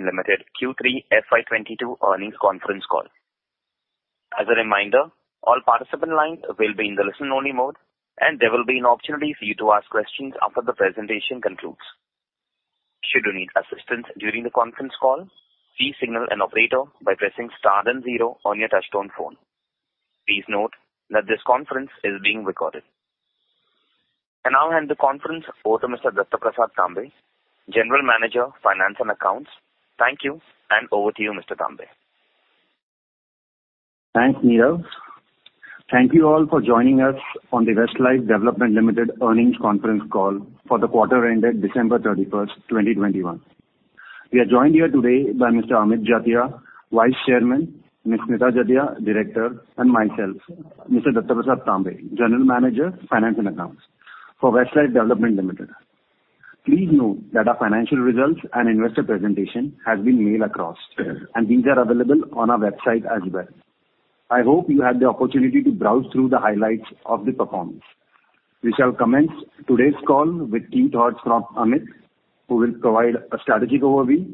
Limited Q3 FY 2022 earnings conference call. As a reminder, all participant lines will be in the listen-only mode, and there will be an opportunity for you to ask questions after the presentation concludes. Should you need assistance during the conference call, please signal an operator by pressing star then zero on your touchtone phone. Please note that this conference is being recorded. I now hand the conference over to Mr. Dattaprasad Tambe, General Manager, Finance and Accounts. Thank you, and over to you, Mr. Tambe. Thanks, Neal. Thank you all for joining us on the Westlife Development Limited earnings conference call for the quarter ended December 31, 2021. We are joined here today by Mr. Amit Jatia, Vice Chairman, Ms. Smita Jatia, Director, and myself, Mr. Dattaprasad Tambe, General Manager, Finance and Accounts for Westlife Development Limited. Please note that our financial results and investor presentation has been mailed across, and these are available on our website as well. I hope you had the opportunity to browse through the highlights of the performance. We shall commence today's call with key thoughts from Amit, who will provide a strategic overview,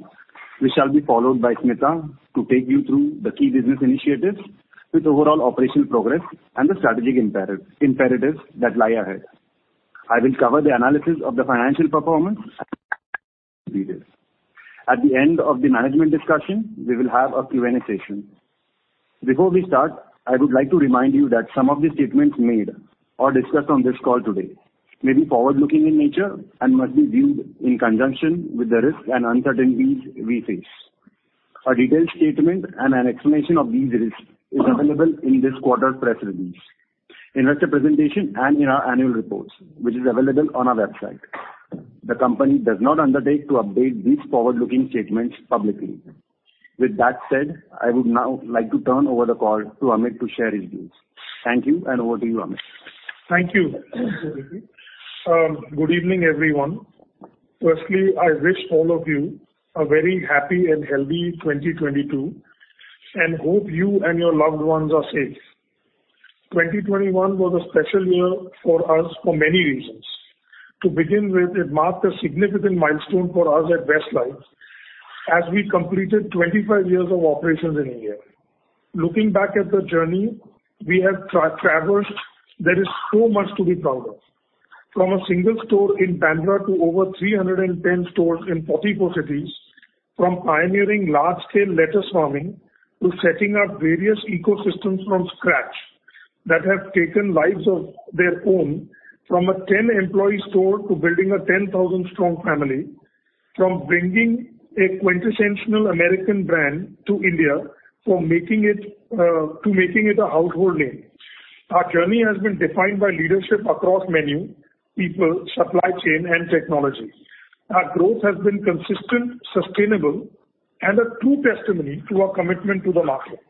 which shall be followed by Smita to take you through the key business initiatives with overall operational progress and the strategic imperatives that lie ahead. I will cover the analysis of the financial performance. At the end of the management discussion, we will have a Q&A session. Before we start, I would like to remind you that some of the statements made or discussed on this call today may be forward-looking in nature and must be viewed in conjunction with the risks and uncertainties we face. A detailed statement and an explanation of these risks is available in this quarter's press release, investor presentation, and in our annual reports, which is available on our website. The company does not undertake to update these forward-looking statements publicly. With that said, I would now like to turn over the call to Amit to share his views. Thank you, and over to you, Amit. Thank you. Good evening, everyone. Firstly, I wish all of you a very happy and healthy 2022, and hope you and your loved ones are safe. 2021 was a special year for us for many reasons. To begin with, it marked a significant milestone for us at Westlife as we completed 25 years of operations in India. Looking back at the journey we have traversed, there is so much to be proud of. From a single store in Bangalore to over 310 stores in 44 cities, from pioneering large-scale lettuce farming to setting up various ecosystems from scratch that have taken lives of their own, from a 10-employee store to building a 10,000-strong family, from bringing a quintessential American brand to India, from making it to making it a household name. Our journey has been defined by leadership across menu, people, supply chain, and technology. Our growth has been consistent, sustainable, and a true testimony to our commitment to the market.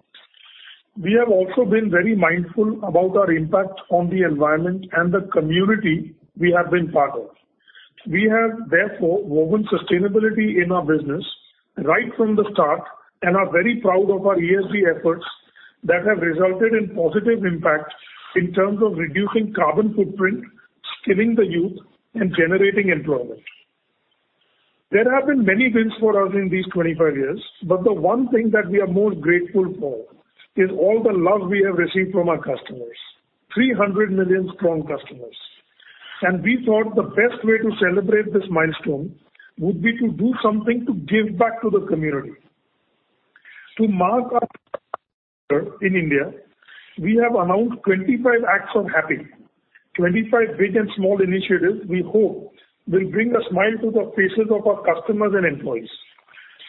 We have also been very mindful about our impact on the environment and the community we have been part of. We have therefore woven sustainability in our business right from the start and are very proud of our ESG efforts that have resulted in positive impact in terms of reducing carbon footprint, skilling the youth, and generating employment. There have been many wins for us in these 25 years, but the one thing that we are most grateful for is all the love we have received from our customers, 300 million strong customers. We thought the best way to celebrate this milestone would be to do something to give back to the community. To mark our 25 years in India, we have announced 25 Acts of Happy. 25 big and small initiatives we hope will bring a smile to the faces of our customers and employees.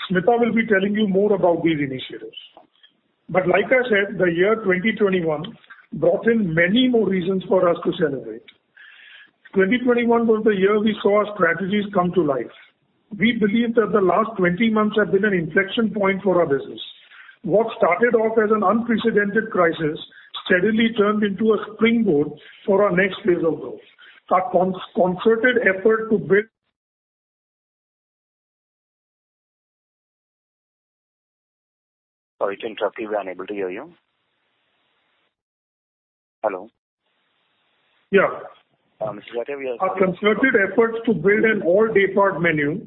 Smita will be telling you more about these initiatives. Like I said, the year 2021 brought in many more reasons for us to celebrate. 2021 was the year we saw our strategies come to life. We believe that the last 20 months have been an inflection point for our business. What started off as an unprecedented crisis steadily turned into a springboard for our next phase of growth. Our concerted effort to build. Sorry to interrupt you. We're unable to hear you. Hello? Yeah. Mr. Jatia, Our concerted efforts to build an all-day-part menu,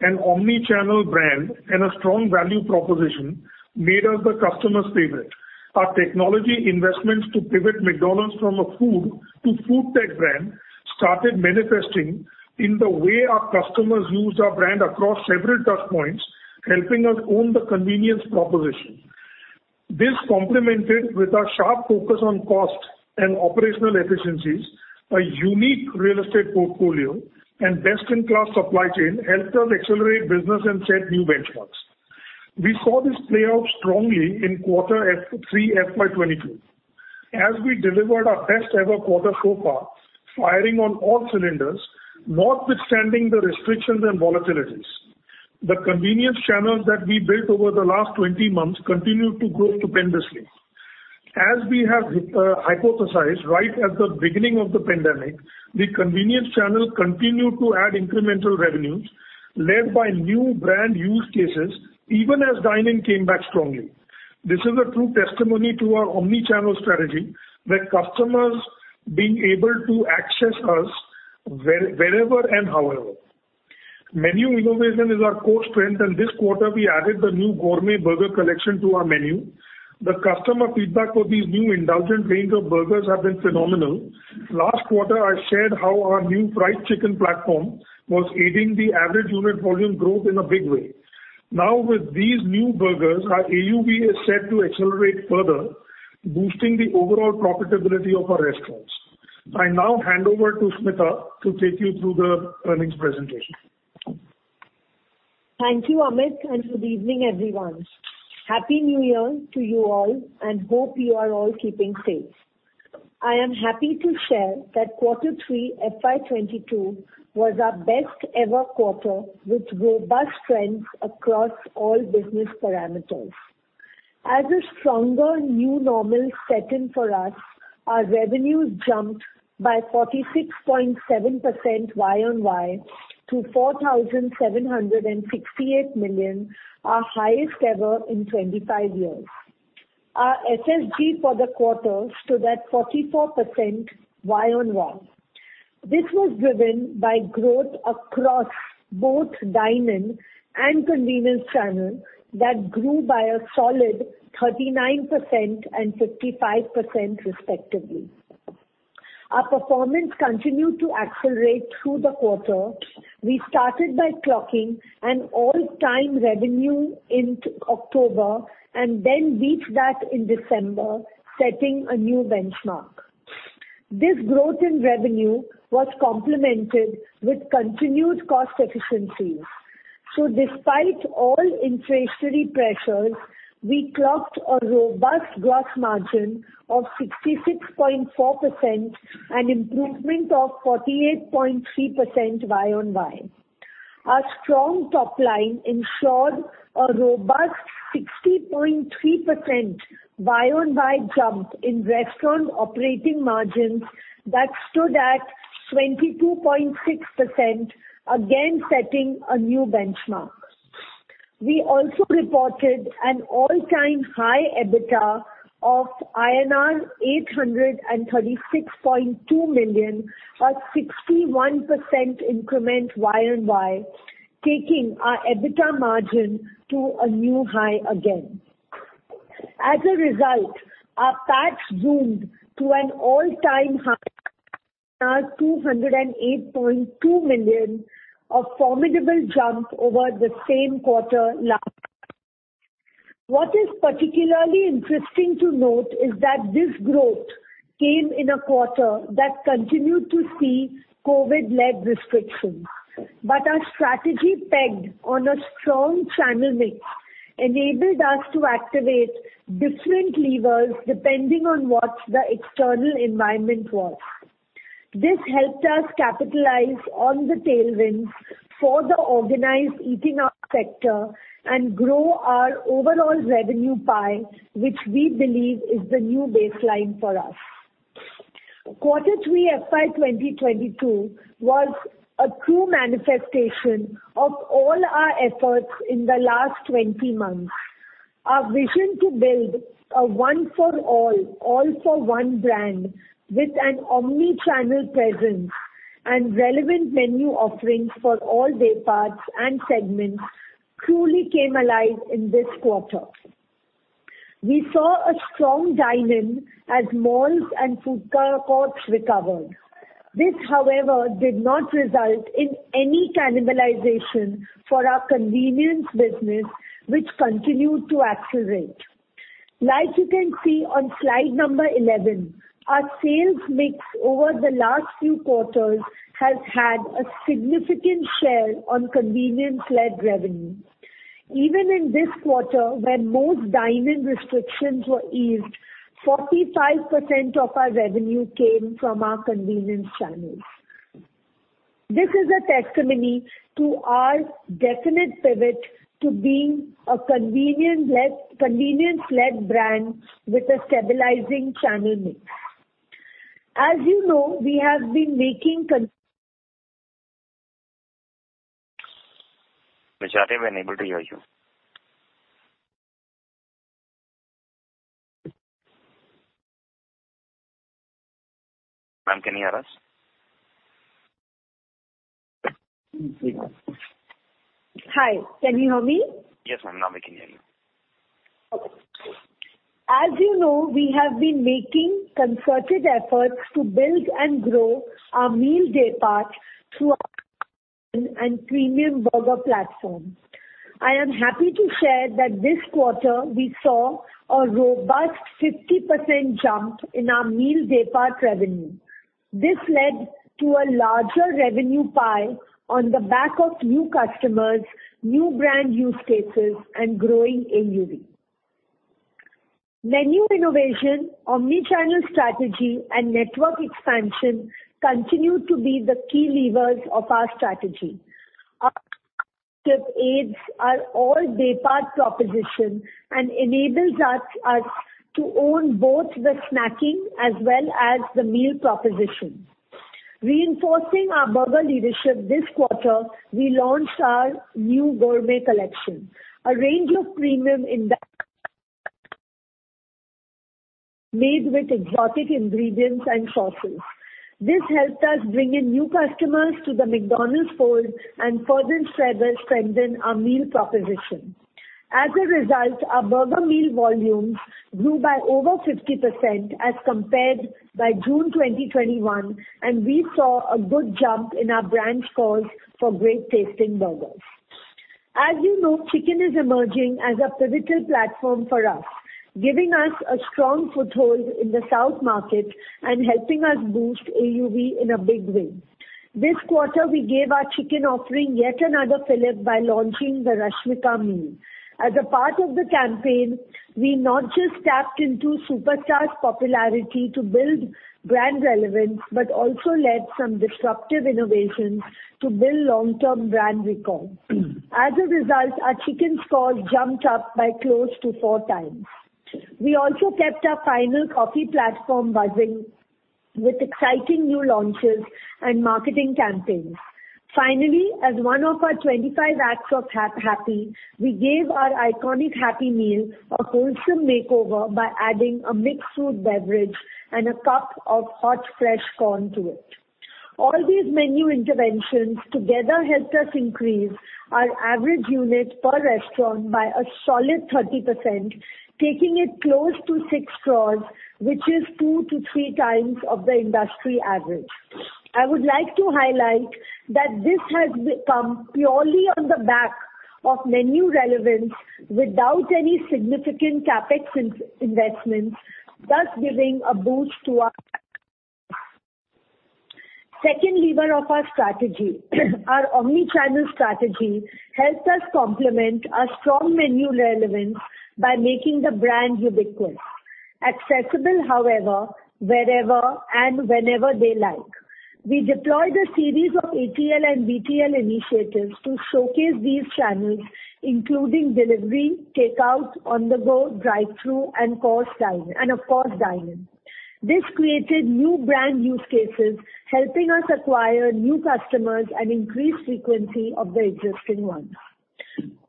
an omni-channel brand, and a strong value proposition made us the customers' favorite. Our technology investments to pivot McDonald's from a food to food tech brand started manifesting in the way our customers used our brand across several touchpoints, helping us own the convenience proposition. This complemented with our sharp focus on cost and operational efficiencies, a unique real estate portfolio, and best-in-class supply chain helped us accelerate business and set new benchmarks. We saw this play out strongly in quarter three FY 2022 as we delivered our best ever quarter so far, firing on all cylinders, notwithstanding the restrictions and volatilities. The convenience channels that we built over the last 20 months continued to grow stupendously. As we have hypothesized right at the beginning of the pandemic, the convenience channel continued to add incremental revenues led by new brand use cases, even as dine-in came back strongly. This is a true testimony to our omni-channel strategy, where customers being able to access us wherever and however. Menu innovation is our core strength, and this quarter we added the new gourmet burger collection to our menu. The customer feedback for these new indulgent range of burgers have been phenomenal. Last quarter, I shared how our new fried chicken platform was aiding the average unit volume growth in a big way. Now, with these new burgers, our AUV is set to accelerate further, boosting the overall profitability of our restaurants. I now hand over to Smita to take you through the earnings presentation. Thank you, Amit, and good evening, everyone. Happy New Year to you all, and hope you are all keeping safe. I am happy to share that quarter 3 FY 2022 was our best ever quarter with robust trends across all business parameters. As a stronger new normal set in for us, our revenues jumped by 46.7% Y on Y to 4,768 million, our highest ever in 25 years. Our SSG for the quarter stood at 44% Y on Y. This was driven by growth across both dine-in and convenience channel that grew by a solid 39% and 55% respectively. Our performance continued to accelerate through the quarter. We started by clocking an all-time revenue in October and then beat that in December, setting a new benchmark. This growth in revenue was complemented with continued cost efficiencies. Despite all inflationary pressures, we clocked a robust gross margin of 66.4%, an improvement of 48.3% Y on Y. Our strong top line ensured a robust 60.3% Y on Y jump in restaurant operating margins that stood at 22.6%, again, setting a new benchmark. We also reported an all-time high EBITDA of INR 836.2 million, a 61% increment Y on Y, taking our EBITDA margin to a new high again. As a result, our PAT zoomed to an all-time high, 208.2 million, a formidable jump over the same quarter last year. What is particularly interesting to note is that this growth came in a quarter that continued to see COVID-led restrictions, but our strategy pegged on a strong channel mix enabled us to activate different levers depending on what the external environment was. This helped us capitalize on the tailwinds for the organized eating out sector and grow our overall revenue pie, which we believe is the new baseline for us. Quarter 3 FY 2022 was a true manifestation of all our efforts in the last 20 months. Our vision to build a one for all for one brand with an omni-channel presence and relevant menu offerings for all day parts and segments truly came alive in this quarter. We saw a strong dine-in as malls and food courts recovered. This, however, did not result in any cannibalization for our convenience business, which continued to accelerate. Like you can see on slide number 11, our sales mix over the last few quarters has had a significant share on convenience-led revenue. Even in this quarter, where most dine-in restrictions were eased, 45% of our revenue came from our convenience channels. This is a testimony to our definite pivot to being a convenience-led brand with a stabilizing channel mix. As you know, we have been making con- We're sorry, we're unable to hear you. Ma'am, can you hear us? Hi, can you hear me? Yes, ma'am. Now we can hear you. Okay. As you know, we have been making concerted efforts to build and grow our meal daypart through our ADS and premium burger platform. I am happy to share that this quarter we saw a robust 50% jump in our meal daypart revenue. This led to a larger revenue pie on the back of new customers, new brand use cases, and growing AUV. Menu innovation, omni-channel strategy, and network expansion continue to be the key levers of our strategy. Our ADS are all-daypart proposition and enables us to own both the snacking as well as the meal proposition. Reinforcing our burger leadership this quarter, we launched our new gourmet collection, a range of premium items made with exotic ingredients and sauces. This helped us bring in new customers to the McDonald's fold and further strengthen our meal proposition. As a result, our burger meal volumes grew by over 50% as compared by June 2021, and we saw a good jump in our brand scores for great tasting burgers. As you know, chicken is emerging as a pivotal platform for us, giving us a strong foothold in the South market and helping us boost AUV in a big way. This quarter, we gave our chicken offering yet another fillip by launching the Rashmika Meal. As a part of the campaign, we not just tapped into superstar's popularity to build brand relevance, but also led some disruptive innovations to build long-term brand recall. As a result, our chicken scores jumped up by close to 4x. We also kept our McCafé platform buzzing with exciting new launches and marketing campaigns. Finally, as one of our 25 Acts of Happy, we gave our iconic Happy Meal a wholesome makeover by adding a mixed fruit beverage and a cup of hot, fresh corn to it. All these menu interventions together helped us increase our average unit per restaurant by a solid 30%, taking it close to 6 crore, which is 2-3 times of the industry average. I would like to highlight that this has come purely on the back of menu relevance without any significant CapEx investments, thus giving a boost to our second lever of our strategy. Our omnichannel strategy helped us complement our strong menu relevance by making the brand ubiquitous, accessible however, wherever, and whenever they like. We deployed a series of ATL and BTL initiatives to showcase these channels, including delivery, takeout, on-the-go, drive through, and of course dine-in. This created new brand use cases, helping us acquire new customers and increase frequency of the existing ones.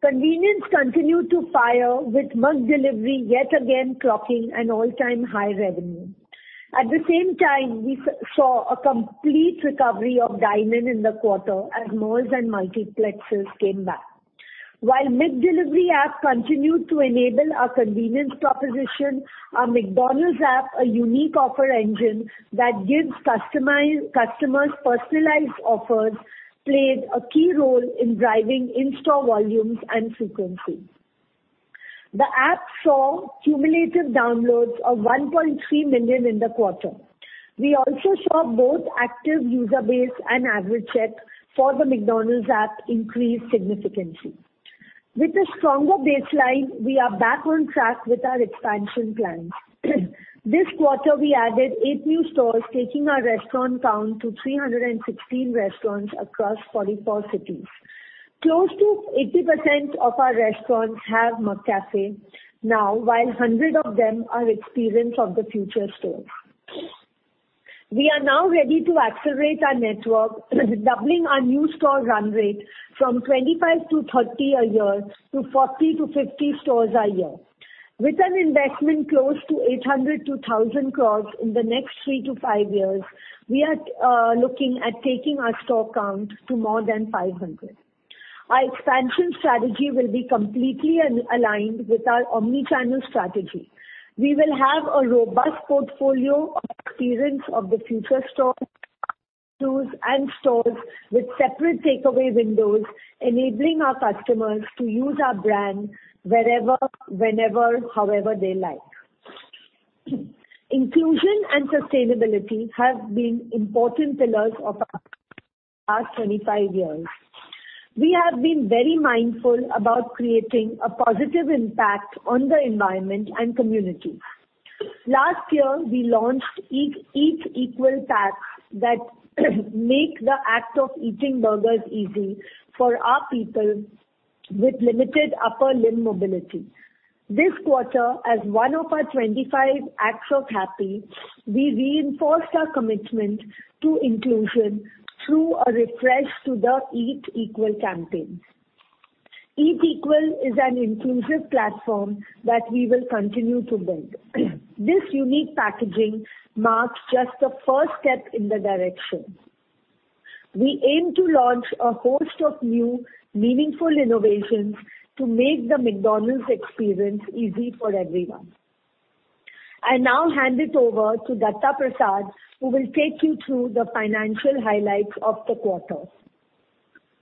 Convenience continued to fire with McDelivery yet again clocking an all-time high revenue. At the same time, we saw a complete recovery of dine-in in the quarter as malls and multiplexes came back. While McDelivery app continued to enable our convenience proposition, our McDonald's app, a unique offer engine that gives customers personalized offers, played a key role in driving in-store volumes and frequencies. The app saw cumulative downloads of 1.3 million in the quarter. We also saw both active user base and average check for the McDonald's app increase significantly. With a stronger baseline, we are back on track with our expansion plans. This quarter we added 8 new stores, taking our restaurant count to 316 restaurants across 44 cities. Close to 80% of our restaurants have McCafé now, while 100 of them are Experience of the Future stores. We are now ready to accelerate our network, doubling our new store run rate from 25 to 30 a year to 40 to 50 stores a year. With an investment close to 800-1,000 crore in the next 3-5 years, we are looking at taking our store count to more than 500. Our expansion strategy will be completely aligned with our omnichannel strategy. We will have a robust portfolio of Experience of the Future stores, and stores with separate takeaway windows, enabling our customers to use our brand wherever, whenever, however they like. Inclusion and sustainability have been important pillars of our last 25 years. We have been very mindful about creating a positive impact on the environment and community. Last year, we launched EatQual packs that make the act of eating burgers easy for our people with limited upper limb mobility. This quarter, as one of our 25 Acts of Happy, we reinforced our commitment to inclusion through a refresh to the EatQual campaign. EatQual is an inclusive platform that we will continue to build. This unique packaging marks just the first step in the direction. We aim to launch a host of new meaningful innovations to make the McDonald's experience easy for everyone. I now hand it over to Dattaprasad Tambe, who will take you through the financial highlights of the quarter.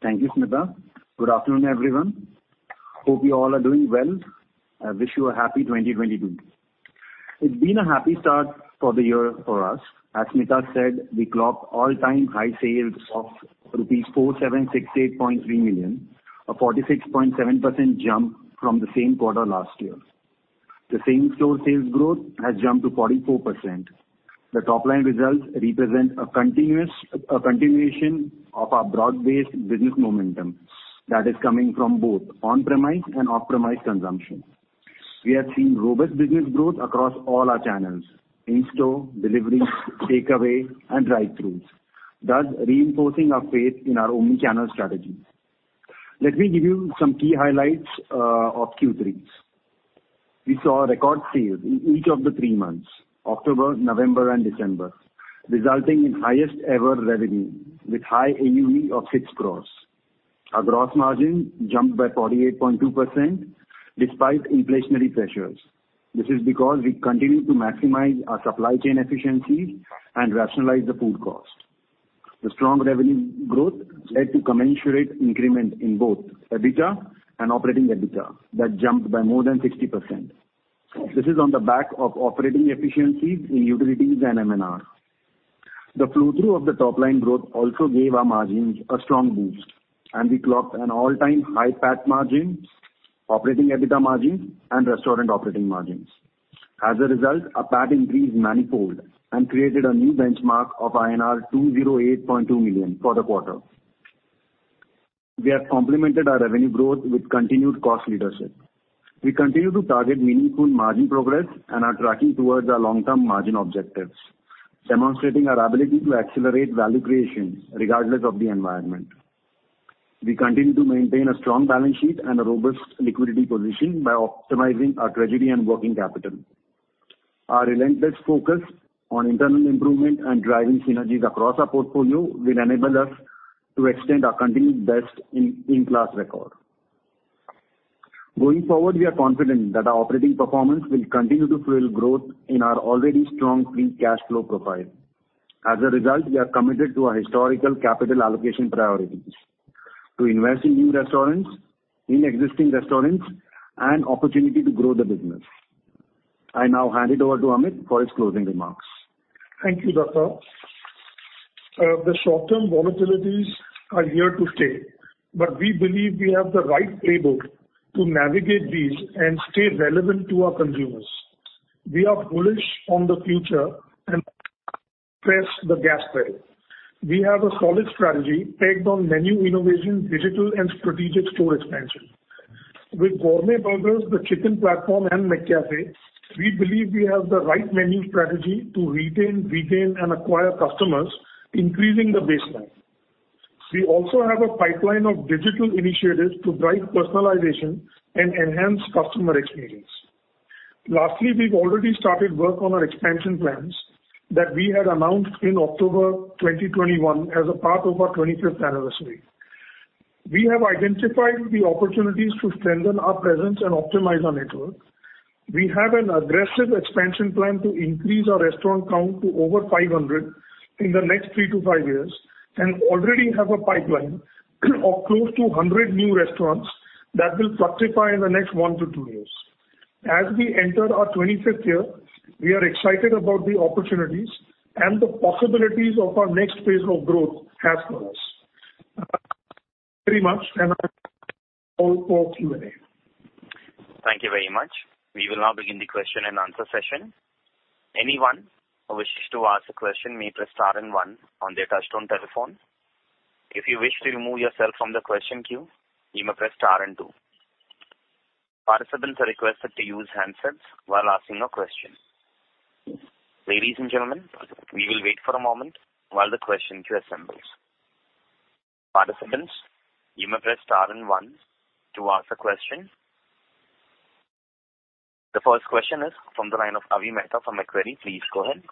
Thank you, Smita. Good afternoon, everyone. Hope you all are doing well. I wish you a happy 2022. It's been a happy start for the year for us. As Smita said, we clocked all-time high sales of rupees 4,768.3 million, a 46.7% jump from the same quarter last year. The same store sales growth has jumped to 44%. The top line results represent a continuation of our broad-based business momentum that is coming from both on-premise and off-premise consumption. We have seen robust business growth across all our channels, in-store, delivery, takeaway, and drive-throughs, thus reinforcing our faith in our omni-channel strategy. Let me give you some key highlights of Q3. We saw a record sale in each of the three months, October, November and December, resulting in highest ever revenue with high AUV of 6 crore. Our gross margin jumped by 48.2% despite inflationary pressures. This is because we continue to maximize our supply chain efficiency and rationalize the food cost. The strong revenue growth led to commensurate increment in both EBITDA and operating EBITDA that jumped by more than 60%. This is on the back of operating efficiencies in utilities and M&R. The flow-through of the top line growth also gave our margins a strong boost, and we clocked an all-time high PAT margin, operating EBITDA margin, and restaurant operating margins. As a result, our PAT increased manifold and created a new benchmark of INR 208.2 million for the quarter. We have complemented our revenue growth with continued cost leadership. We continue to target meaningful margin progress and are tracking towards our long-term margin objectives, demonstrating our ability to accelerate value creation regardless of the environment. We continue to maintain a strong balance sheet and a robust liquidity position by optimizing our treasury and working capital. Our relentless focus on internal improvement and driving synergies across our portfolio will enable us to extend our continued best-in-class record. Going forward, we are confident that our operating performance will continue to fuel growth in our already strong free cash flow profile. As a result, we are committed to our historical capital allocation priorities to invest in new restaurants, in existing restaurants and opportunity to grow the business. I now hand it over to Amit for his closing remarks. Thank you, Prasad. The short-term volatilities are here to stay, but we believe we have the right playbook to navigate these and stay relevant to our consumers. We are bullish on the future and press the gas pedal. We have a solid strategy pegged on menu innovation, digital and strategic store expansion. With gourmet burgers, the chicken platform and McCafé, we believe we have the right menu strategy to retain and acquire customers, increasing the baseline. We also have a pipeline of digital initiatives to drive personalization and enhance customer experience. Lastly, we've already started work on our expansion plans that we had announced in October 2021 as a part of our 25th anniversary. We have identified the opportunities to strengthen our presence and optimize our network. We have an aggressive expansion plan to increase our restaurant count to over 500 in the next 3-5 years, and already have a pipeline of close to 100 new restaurants that will fructify in the next 1-2 years. As we enter our 25th year, we are excited about the opportunities and the possibilities of our next phase of growth as McDonald's. Thank you very much and for Q&A. Thank you very much. We will now begin the question-and-answer session. Anyone who wishes to ask a question may press star and one on their touch-tone telephone. If you wish to remove yourself from the question queue, you may press star and two. Participants are requested to use handsets while asking a question. Ladies and gentlemen, we will wait for a moment while the question queue assembles. Participants, you may press star and one to ask a question. The first question is from the line of Avi Mehta from Macquarie. Please go ahead.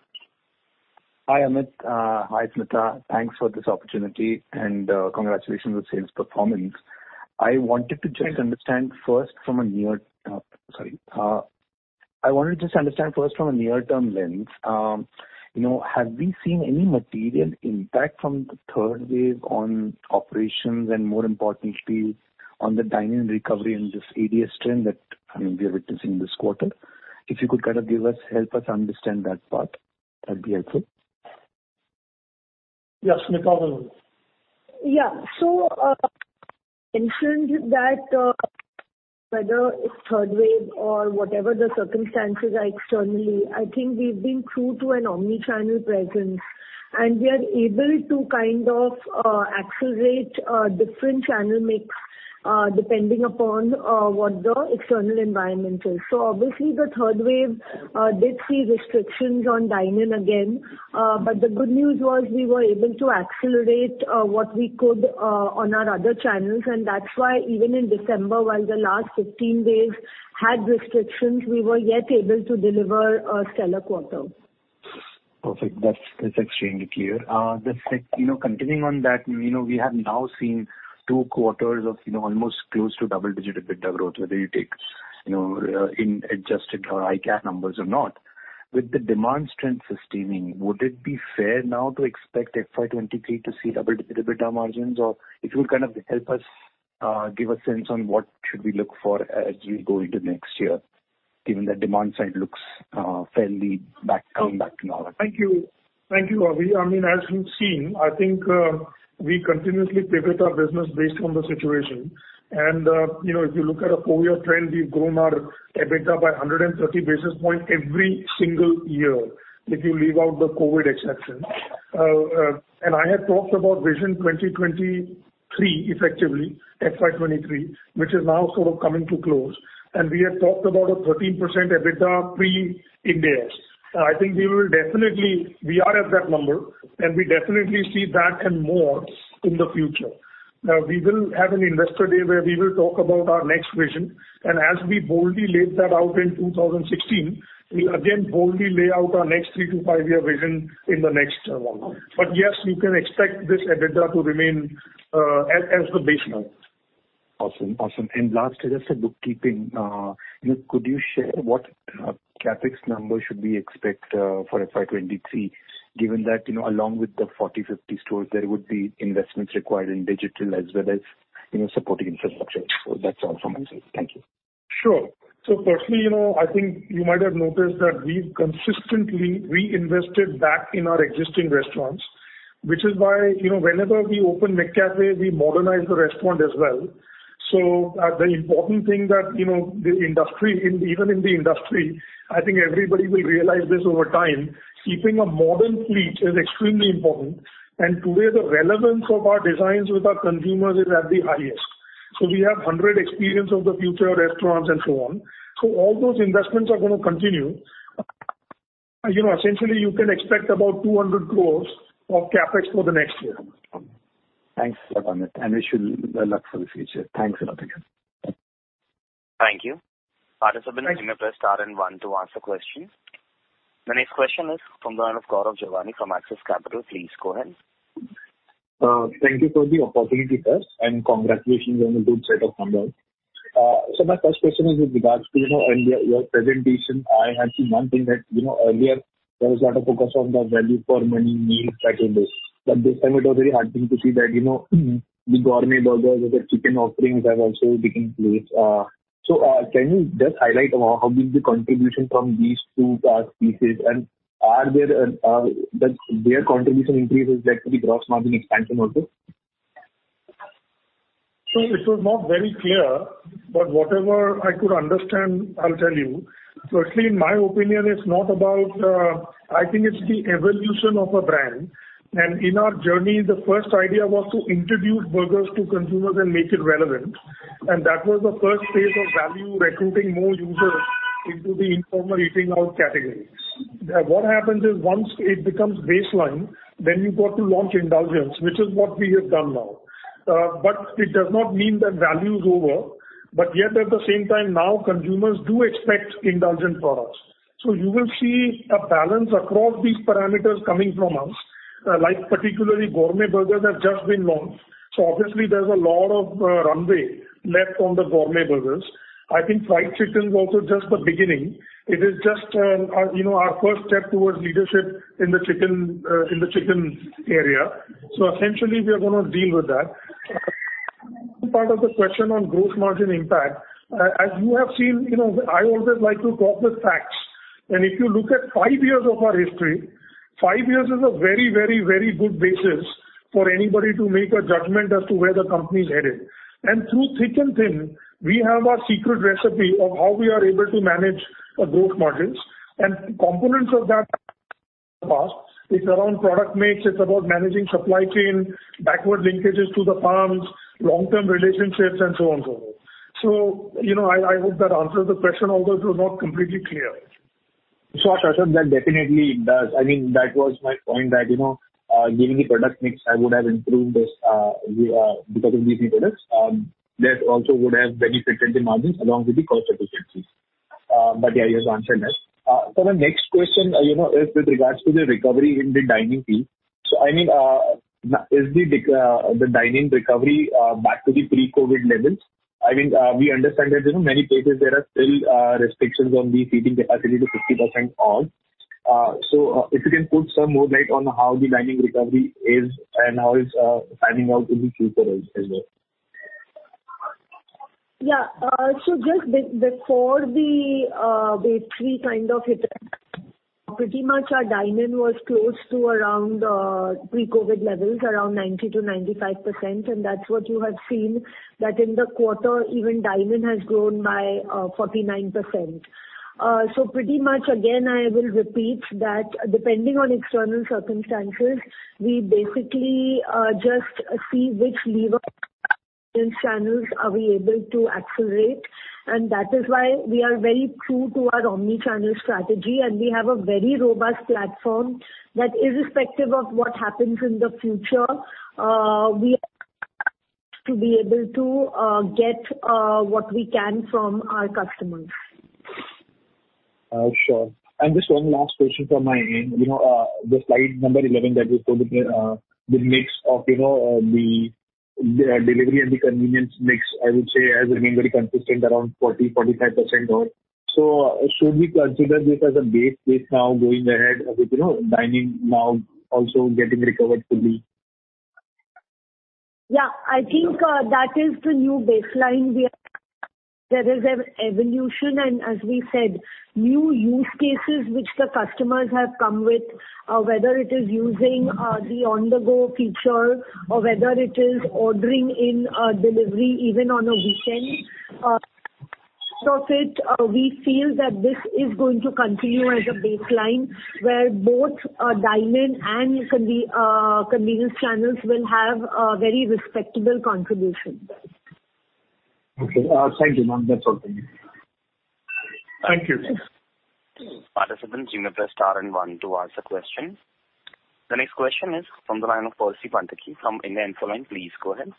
Hi, Amit. Hi, Smita. Thanks for this opportunity and congratulations on sales performance. I wanted to just understand first from a near-term lens, you know, have we seen any material impact from the third wave on operations and more importantly on the dine-in recovery and this ADS trend that, I mean, we are witnessing this quarter? If you could kind of give us, help us understand that part, that'd be helpful. Yes, Smita, over to you. Yeah. I mentioned that whether it's third wave or whatever the circumstances are externally, I think we've been true to an omni-channel presence, and we are able to kind of accelerate different channel mix depending upon what the external environment is. Obviously the third wave did see restrictions on dine-in again. The good news was we were able to accelerate what we could on our other channels, and that's why even in December when the last 15 days had restrictions, we were yet able to deliver a stellar quarter. Perfect. That's extremely clear. Just, you know, continuing on that, you know, we have now seen two quarters of, you know, almost close to double-digit EBITDA growth, whether you take, you know, in adjusted or Ind AS numbers or not. With the demand strength sustaining, would it be fair now to expect FY 2023 to see double-digit EBITDA margins? Or if you would kind of help us give a sense on what should we look for as we go into next year, given the demand side looks fairly back to normal. Thank you. Thank you, Avi. I mean, as you've seen, I think, we continuously pivot our business based on the situation. You know, if you look at a four-year trend, we've grown our EBITDA by 130 basis points every single year, if you leave out the COVID exception. I had talked about Vision 2023 effectively FY 2023, which is now sort of coming to close. We had talked about a 13% EBITDA pre-Ind AS. I think we will definitely, we are at that number, and we definitely see that and more in the future. Now, we will have an investor day where we will talk about our next vision, and as we boldly laid that out in 2016, we'll again boldly lay out our next 3- to 5-year vision in the next one. Yes, you can expect this EBITDA to remain as the baseline. Awesome. Last, just a bookkeeping. Could you share what CapEx number should we expect for FY 2023, given that, along with the 40-50 stores, there would be investments required in digital as well as supporting infrastructure. That's all from myself. Thank you. Sure. Firstly, you know, I think you might have noticed that we've consistently reinvested back in our existing restaurants, which is why, you know, whenever we open McCafé, we modernize the restaurant as well. The important thing that, you know, the industry, even in the industry, I think everybody will realize this over time, keeping a modern fleet is extremely important. Today, the relevance of our designs with our consumers is at the highest. We have 100 Experience of the Future restaurants and so on. All those investments are gonna continue. You know, essentially, you can expect about 200 crore of CapEx for the next year. Thanks a lot, Amit, and wish you good luck for the future. Thanks a lot again. Thank you. Participants can now press star and one to ask a question. The next question is from the line of Gaurav Jogani from Axis Capital. Please go ahead. Thank you for the opportunity, sir, and congratulations on the good set of numbers. My first question is with regards to, you know, earlier your presentation, I had seen one thing that, you know earlier there was a lot of focus on the value for money meals categories, but this time it already had been to see that, you know, the gourmet burgers or the chicken offerings have also taken place. Can you just highlight about how big the contribution from these two parts pieces and are there, that their contribution increase is led to the gross margin expansion also? It was not very clear, but whatever I could understand, I'll tell you. Firstly, in my opinion, it's not about, I think it's the evolution of a brand. In our journey, the first idea was to introduce burgers to consumers and make it relevant. That was the first phase of value recruiting more users into the informal eating out categories. What happens is, once it becomes baseline, then you got to launch indulgence, which is what we have done now. It does not mean that value is over. Yet at the same time, now consumers do expect indulgent products. You will see a balance across these parameters coming from us. Like particularly gourmet burgers have just been launched. Obviously there's a lot of runway left on the gourmet burgers. I think fried chicken is also just the beginning. It is just, you know, our first step towards leadership in the chicken area. Essentially we are gonna deal with that. Second part of the question on gross margin impact. As you have seen, you know, I always like to talk with facts. If you look at five years of our history, five years is a very good basis for anybody to make a judgment as to where the company is headed. Through thick and thin, we have our secret recipe of how we are able to manage our gross margins and components of that in the past. It's around product mix, it's about managing supply chain, backward linkages to the farms, long-term relationships and so on, so forth. You know, I hope that answers the question. Although it was not completely clear. Sure, Amit, that definitely it does. I mean, that was my point that, you know, giving the product mix, I would have improved this, we are developing these new products, that also would have benefited the margins along with the cost efficiencies. Yeah, you have answered this. My next question, you know, is with regards to the recovery in the dine-in. I mean, is the dine-in recovery back to the pre-COVID levels? I mean, we understand that, you know, many places there are still restrictions on the seating capacity to 50% odd. If you can shed some more light on how the dine-in recovery is and how it's panning out in the future as well. Yeah. So just before the wave three kind of hit us, pretty much our dine-in was close to around pre-COVID levels, around 90%-95%. That's what you have seen, that in the quarter, even dine-in has grown by 49%. So pretty much again, I will repeat that depending on external circumstances, we basically just see whichever channels we are able to accelerate. That is why we are very true to our omni-channel strategy. We have a very robust platform that irrespective of what happens in the future, we are able to get what we can from our customers. Sure. Just one last question from my end. You know, the slide number 11 that you showed, the mix of, you know, the delivery and the convenience mix, I would say has remained very consistent around 40-45% odd. So should we consider this as a base case now going ahead with, you know, dine-in now also getting recovered fully? Yeah, I think that is the new baseline. There is an evolution and as we said, new use cases which the customers have come with, whether it is using the on-the-go feature or whether it is ordering in delivery even on a weekend. We feel that this is going to continue as a baseline, where both dine-in and convenience channels will have a very respectable contribution. Okay. Thank you, ma'am. That's all for me. Thank you. The next question is from the line of Percy Panthaki from India Infoline. Please go ahead.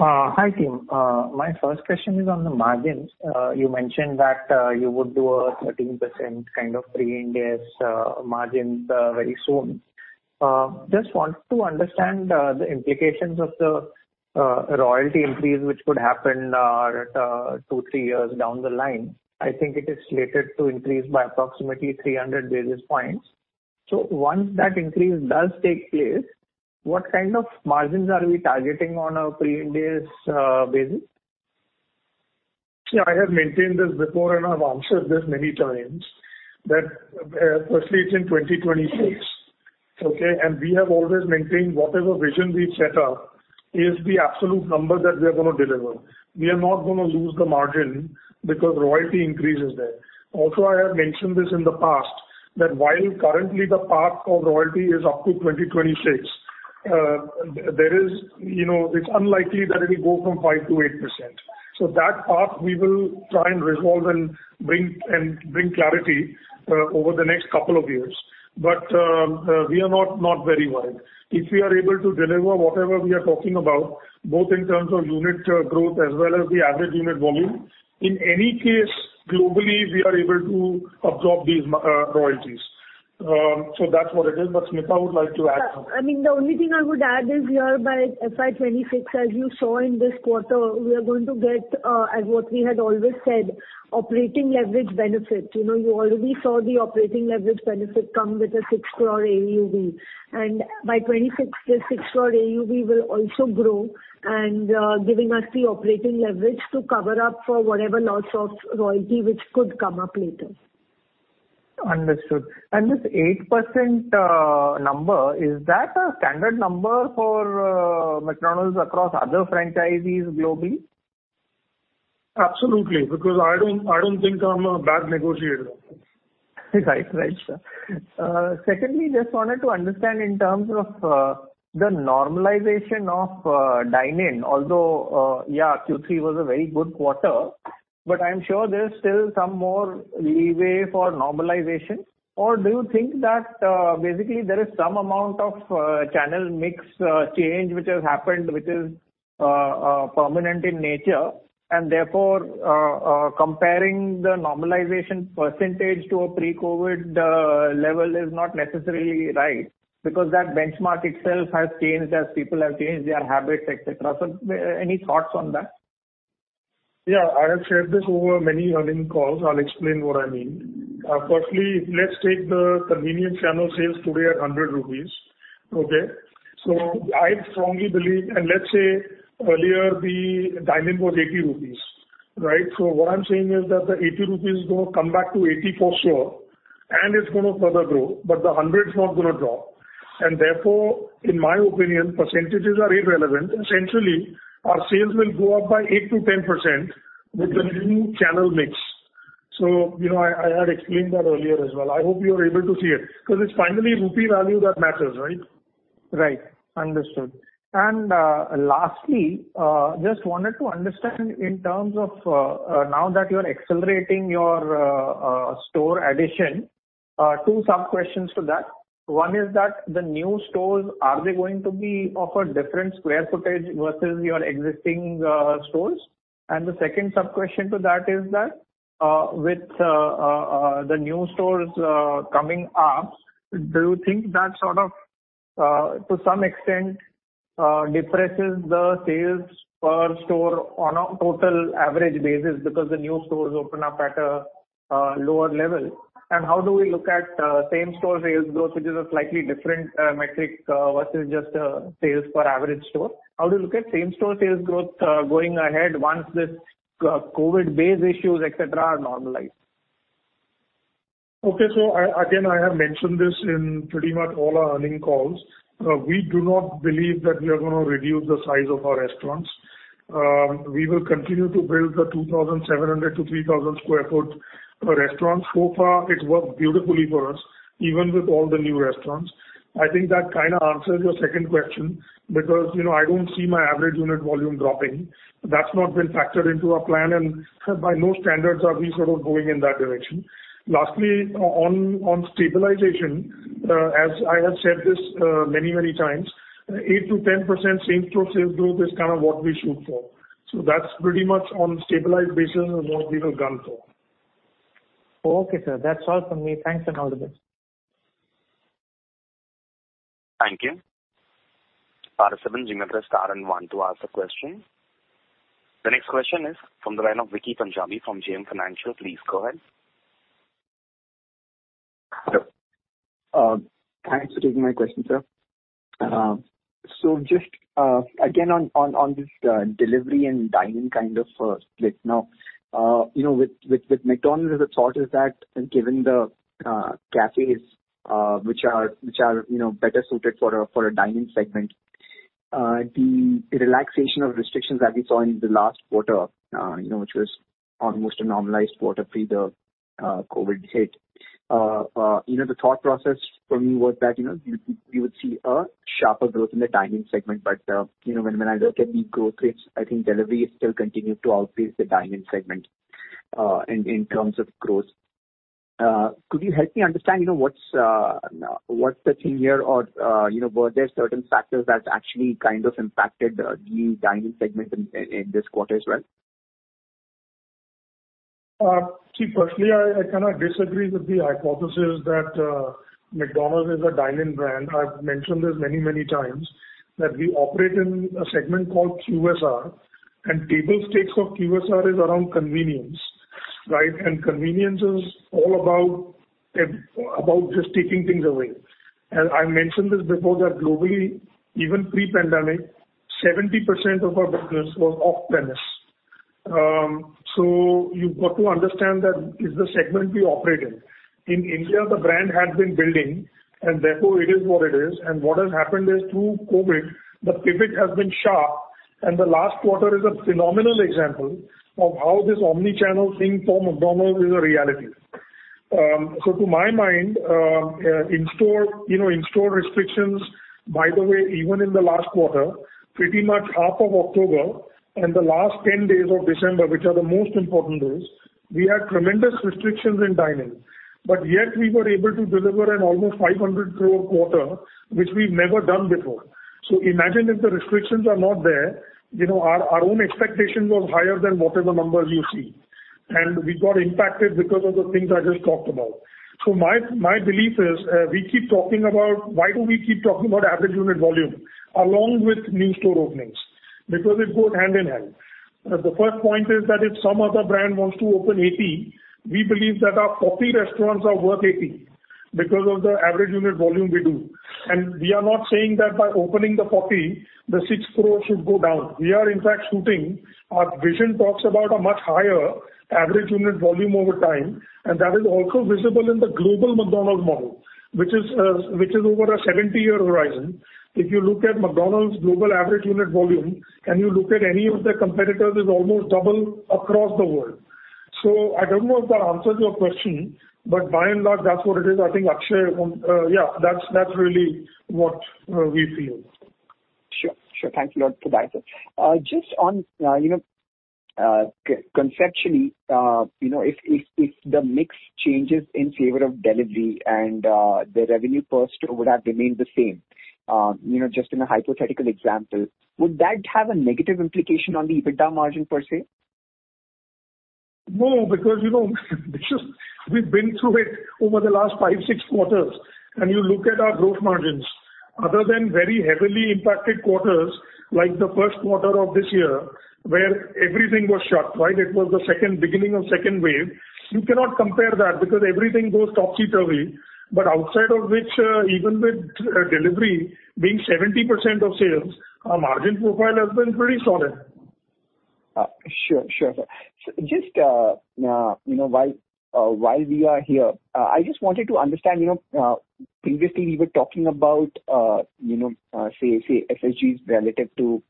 Hi, team. My first question is on the margins. You mentioned that you would do a 13% kind of pre-Ind AS margins very soon. I just want to understand the implications of the royalty increase which could happen at 2-3 years down the line. I think it is slated to increase by approximately 300 basis points. Once that increase does take place, what kind of margins are we targeting on a pre-Ind AS basis? Yeah, I have maintained this before, and I've answered this many times. That, firstly, it's in 2026, okay? We have always maintained whatever vision we've set up is the absolute number that we're gonna deliver. We are not gonna lose the margin because royalty increase is there. Also, I have mentioned this in the past, that while currently the path of royalty is up to 2026, there is, you know, it's unlikely that it'll go from 5% - 8%. That part we will try and resolve and bring clarity over the next couple of years. We are not very worried. If we are able to deliver whatever we are talking about, both in terms of unit growth as well as the average unit volume, in any case, globally, we are able to absorb these royalties. That's what it is. Smita would like to add something. I mean, the only thing I would add is, by FY 2026, as you saw in this quarter, we are going to get, as what we had always said, operating leverage benefit. You know, you already saw the operating leverage benefit come with a 6 crore AUV. By 2026, this 6 crore AUV will also grow and giving us the operating leverage to cover up for whatever loss of royalty which could come up later. Understood. This 8% number, is that a standard number for McDonald's across other franchisees globally? Absolutely. Because I don't think I'm a bad negotiator. Right. Right, sir. Secondly, just wanted to understand in terms of the normalization of dine-in, although yeah, Q3 was a very good quarter, but I'm sure there's still some more leeway for normalization. Do you think that basically there is some amount of channel mix change which has happened, which is permanent in nature, and therefore comparing the normalization % to a pre-COVID level is not necessarily right because that benchmark itself has changed as people have changed their habits, et cetera. Any thoughts on that? Yeah. I have shared this over many earnings calls. I'll explain what I mean. First, let's take the convenience channel sales today at 100 rupees, okay? I strongly believe. Let's say earlier the dine-in was 80 rupees, right? What I'm saying is that the 80 rupee is gonna come back to 80 for sure, and it's gonna further grow, but the 100 is not gonna drop. Therefore, in my opinion, percentages are irrelevant. Essentially, our sales will go up by 8%-10% with the new channel mix. You know, I had explained that earlier as well. I hope you are able to see it, 'cause it's finally rupee value that matters, right? Right. Understood. Lastly, just wanted to understand in terms of now that you're accelerating your store addition, two sub-questions to that. One is that the new stores, are they going to be of a different square footage versus your existing stores? The second sub-question to that is that with the new stores coming up, do you think that sort of to some extent depresses the sales per store on a total average basis because the new stores open up at a lower level? How do we look at same-store sales growth, which is a slightly different metric, versus just sales per average store? How do you look at same-store sales growth going ahead once this COVID-based issues, et cetera, are normalized? Okay. I have mentioned this in pretty much all our earnings calls. We do not believe that we are gonna reduce the size of our restaurants. We will continue to build the 2,700-3,000 sq ft restaurant. So far, it worked beautifully for us, even with all the new restaurants. I think that kind of answers your second question because, you know, I don't see my average unit volume dropping. That's not been factored into our plan, and by no standards are we sort of going in that direction. Lastly, on stabilization, as I have said this many, many times, 8%-10% same-store sales growth is kind of what we shoot for. That's pretty much on stabilized basis what we will gun for. Okay, sir. That's all from me. Thanks and all the best. Thank you. Participant, you may press star and one to ask a question. The next question is from the line of Vicky Punjabi from JM Financial. Please go ahead. Thanks for taking my question, sir. Just again on this delivery and dine-in kind of split now, you know, with McDonald's as a thought, is that given the McCafés which are you know better suited for a dine-in segment. The relaxation of restrictions that we saw in the last quarter, you know, which was almost a normalized quarter pre the COVID hit. You know, the thought process for me was that you would see a sharper growth in the dine-in segment. You know, when I look at the growth rates, I think delivery is still continued to outpace the dine-in segment in terms of growth. Could you help me understand you know what's the theme here? You know, were there certain factors that actually kind of impacted the dine-in segment in this quarter as well? Firstly, I kind of disagree with the hypothesis that McDonald's is a dine-in brand. I've mentioned this many, many times that we operate in a segment called QSR, and table stakes of QSR is around convenience, right? And convenience is all about about just taking things away. I mentioned this before that globally, even pre-pandemic, 70% of our business was off-premise. So you've got to understand that it's the segment we operate in. In India, the brand had been building, and therefore it is what it is. What has happened is through COVID, the pivot has been sharp, and the last quarter is a phenomenal example of how this omni-channel thing for McDonald's is a reality. To my mind, in store, you know, in store restrictions, by the way, even in the last quarter, pretty much half of October and the last 10 days of December, which are the most important days, we had tremendous restrictions in dine-in. Yet we were able to deliver an almost 500 crore quarter, which we've never done before. Imagine if the restrictions are not there. You know, our own expectation was higher than whatever numbers you see. We got impacted because of the things I just talked about. My belief is, we keep talking about why do we keep talking about average unit volume along with new store openings? Because it goes hand in hand. The first point is that if some other brand wants to open 80, we believe that our 40 restaurants are worth 80 because of the average unit volume we do. We are not saying that by opening the 40, the 6 crore should go down. We are in fact shooting for a much higher average unit volume over time, and that is also visible in the global McDonald's model, which is over a 70-year horizon. If you look at McDonald's global average unit volume, and you look at any of their competitors, is almost double across the world. I don't know if that answers your question, but by and large, that's what it is. I think Akshay won't, yeah, that's really what we feel. Sure. Thank you a lot for that, sir. Just on, conceptually, if the mix changes in favor of delivery and the revenue per store would have remained the same, just in a hypothetical example, would that have a negative implication on the EBITDA margin per se? No, because, you know, it's just we've been through it over the last 5, 6 quarters, and you look at our growth margins. Other than very heavily impacted quarters, like the first quarter of this year, where everything was shut, right, it was the beginning of second wave. You cannot compare that because everything goes topsy-turvy. But outside of which, even with delivery being 70% of sales, our margin profile has been pretty solid. Sure, sir. Just, you know, while we are here, I just wanted to understand, you know, previously we were talking about, you know, say SSGs relative to,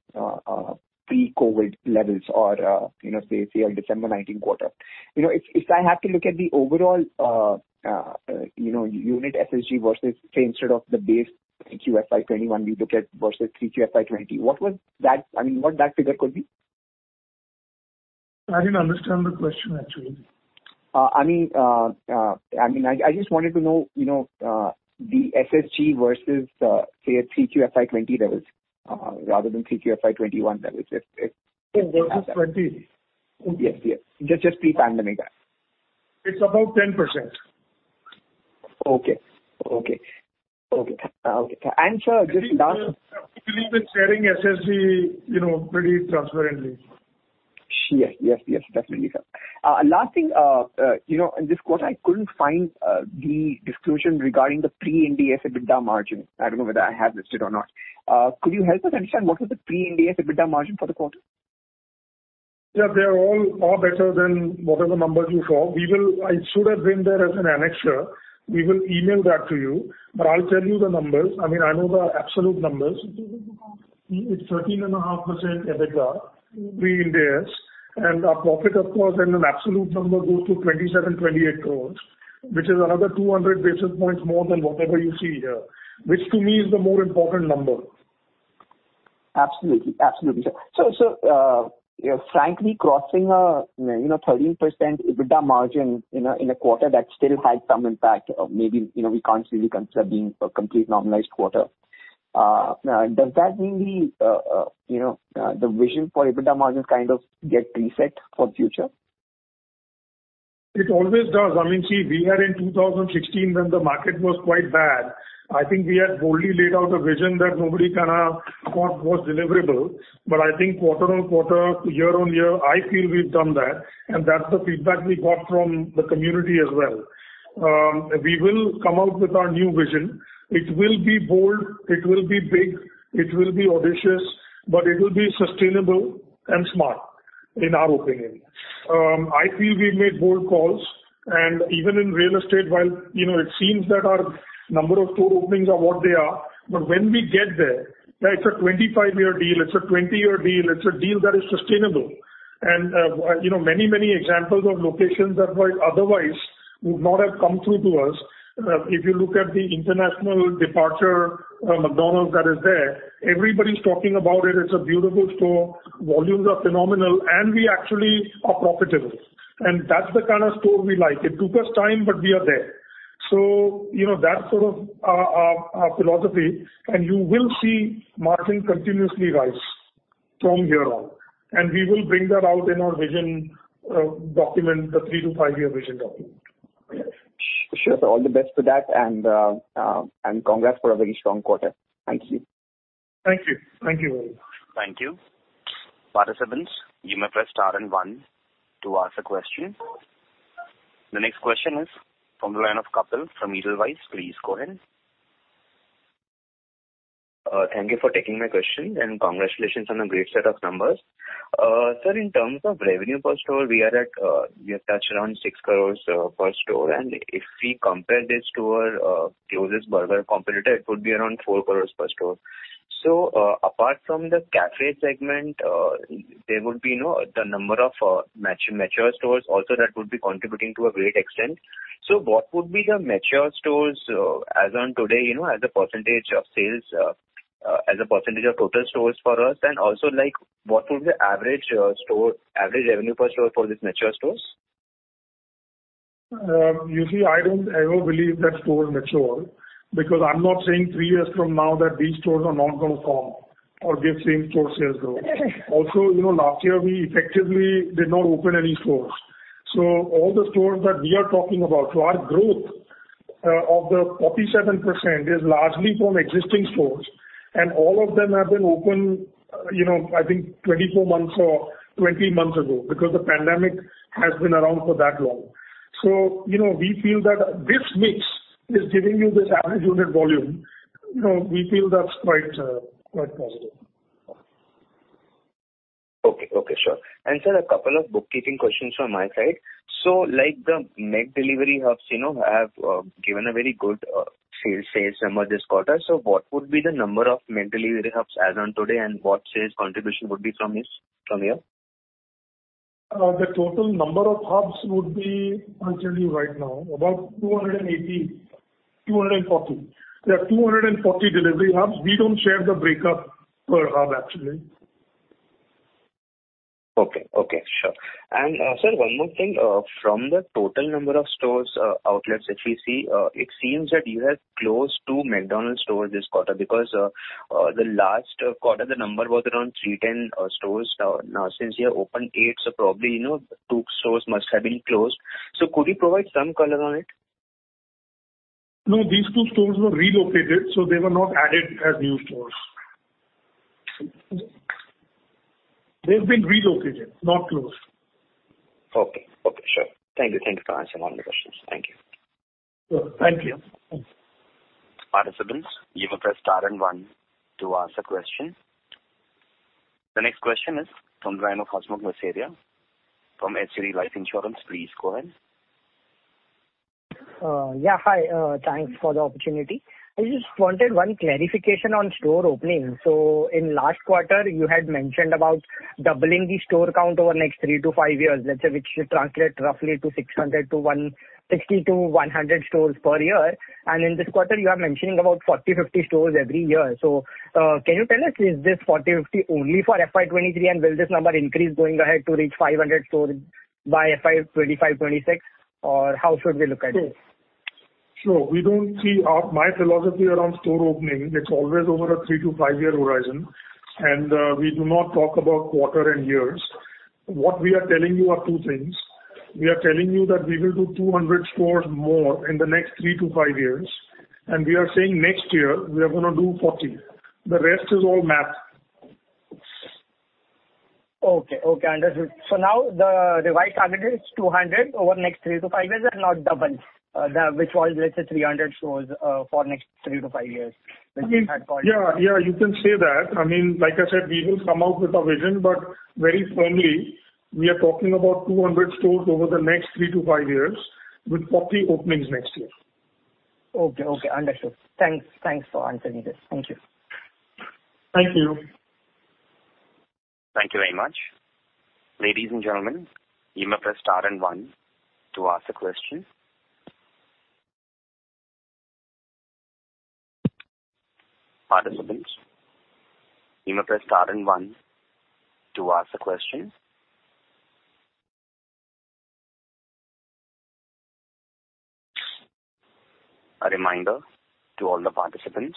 pre-COVID levels or, you know, say our December 2019 quarter. You know, if I have to look at the overall, you know, unit SSG versus, say, instead of the base Q FY 2021, we look at versus 3Q FY 2020, what would that, I mean, what that figure could be? I didn't understand the question, actually. I mean, I just wanted to know, you know, the SSG versus, say 3Q FY 2020 levels, rather than 3Q FY 2021 levels if. Versus 20? Yes, yes. Just pre-pandemic. It's about 10%. Okay. Sir, just last- We believe in sharing SSG, you know, pretty transparently. Yes. Definitely, sir. Last thing, you know, in this quarter, I couldn't find the disclosure regarding the pre-Ind AS EBITDA margin. I don't know whether I have missed it or not. Could you help us understand what was the pre-Ind AS EBITDA margin for the quarter? Yeah. They're all better than whatever numbers you saw. It should have been there as an annexure. We will email that to you. I'll tell you the numbers. I mean, I know the absolute numbers. It's 13.5% EBITDA pre-Ind AS. Our profit, of course, in an absolute number goes to 27-28 crores, which is another 200 basis points more than whatever you see here, which to me is the more important number. Absolutely, sir. Frankly, crossing 13% EBITDA margin in a quarter that still had some impact of maybe, you know, we can't really consider being a complete normalized quarter. Does that mean the, you know, the vision for EBITDA margins kind of get reset for future? It always does. I mean, see, we had in 2016 when the market was quite bad, I think we had boldly laid out a vision that nobody kinda thought was deliverable. I think quarter-over-quarter, year-over-year, I feel we've done that, and that's the feedback we got from the community as well. We will come out with our new vision. It will be bold, it will be big, it will be audacious, but it will be sustainable and smart. In our opinion. I feel we've made bold calls, and even in real estate, while, you know, it seems that our number of store openings are what they are, but when we get there, it's a 25-year deal, it's a 20-year deal, it's a deal that is sustainable. You know, many, many examples of locations that were otherwise would not have come through to us. If you look at the international departure McDonald's that is there, everybody's talking about it. It's a beautiful store. Volumes are phenomenal. We actually are profitable. That's the kind of store we like. It took us time, but we are there. You know, that's sort of our philosophy, and you will see margin continuously rise from here on, and we will bring that out in our vision document, the 3- to 5-year vision document. Sure, sir. All the best for that and congrats for a very strong quarter. Thank you. Thank you. Thank you. Thank you. Participants, you may press star and one to ask a question. The next question is from the line of Kapil from Edelweiss. Please go ahead. Thank you for taking my question, and congratulations on a great set of numbers. Sir, in terms of revenue per store, we are at, we have touched around 6 crore per store. If we compare this to our closest burger competitor, it would be around 4 crore per store. Apart from the cafe segment, no, the number of mature stores also that would be contributing to a great extent. What would be the mature stores as on today, you know, as a percentage of sales as a percentage of total stores for us? Also like what would be average revenue per store for these mature stores? You see, I don't ever believe that stores mature because I'm not saying three years from now that these stores are not gonna come or give same store sales growth. Also, you know, last year we effectively did not open any stores. All the stores that we are talking about, so our growth of 47% is largely from existing stores, and all of them have been open, you know, I think 24 months or 20 months ago, because the pandemic has been around for that long. You know, we feel that this mix is giving you this average unit volume. You know, we feel that's quite positive. Okay. Sure. Sir, a couple of bookkeeping questions from my side. Like the McDelivery hubs, you know, have given a very good sales number this quarter. What would be the number of McDelivery hubs as on today, and what sales contribution would be from here? The total number of hubs would be, I'll tell you right now, about 280. 240. There are 240 delivery hubs. We don't share the breakup per hub, actually. Okay. Sure. Sir, one more thing, from the total number of stores, outlets that we see, it seems that you have closed 2 McDonald's stores this quarter because the last quarter, the number was around 310 stores. Now since you have opened 8, probably, you know, 2 stores must have been closed. Could you provide some color on it? No, these two stores were relocated, so they were not added as new stores. They've been relocated, not closed. Okay. Sure. Thank you. Thank you for answering all the questions. Thank you. Sure. Thank you. Participants, you may press star and one to ask a question. The next question is from the line of Kunal Sanghavi from HDFC Securities. Please go ahead. Hi, thanks for the opportunity. I just wanted one clarification on store openings. In last quarter, you had mentioned about doubling the store count over the next three to five years, let's say, which should translate roughly to 60-100 stores per year. In this quarter you are mentioning about 40-50 stores every year. Can you tell us, is this 40-50 only for FY 2023, and will this number increase going ahead to reach 500 stores by FY 2025, 2026, or how should we look at it? Sure. My philosophy around store opening, it's always over a 3-5-year horizon. We do not talk about quarters and years. What we are telling you are two things. We are telling you that we will do 200 stores more in the next 3-5 years, and we are saying next year we are gonna do 40. The rest is all math. Okay. Understood. Now the revised target is 200 over the next 3-5 years and not double, which was, let's say, 300 stores, for next 3-5 years. Yeah. Yeah, you can say that. I mean, like I said, we will come out with our vision, but very firmly, we are talking about 200 stores over the next 3-5 years with 40 openings next year. Okay. Understood. Thanks for answering this. Thank you. Thank you. Thank you very much. Ladies and gentlemen, you may press star and one to ask a question. Participants, you may press star and one to ask a question. A reminder to all the participants,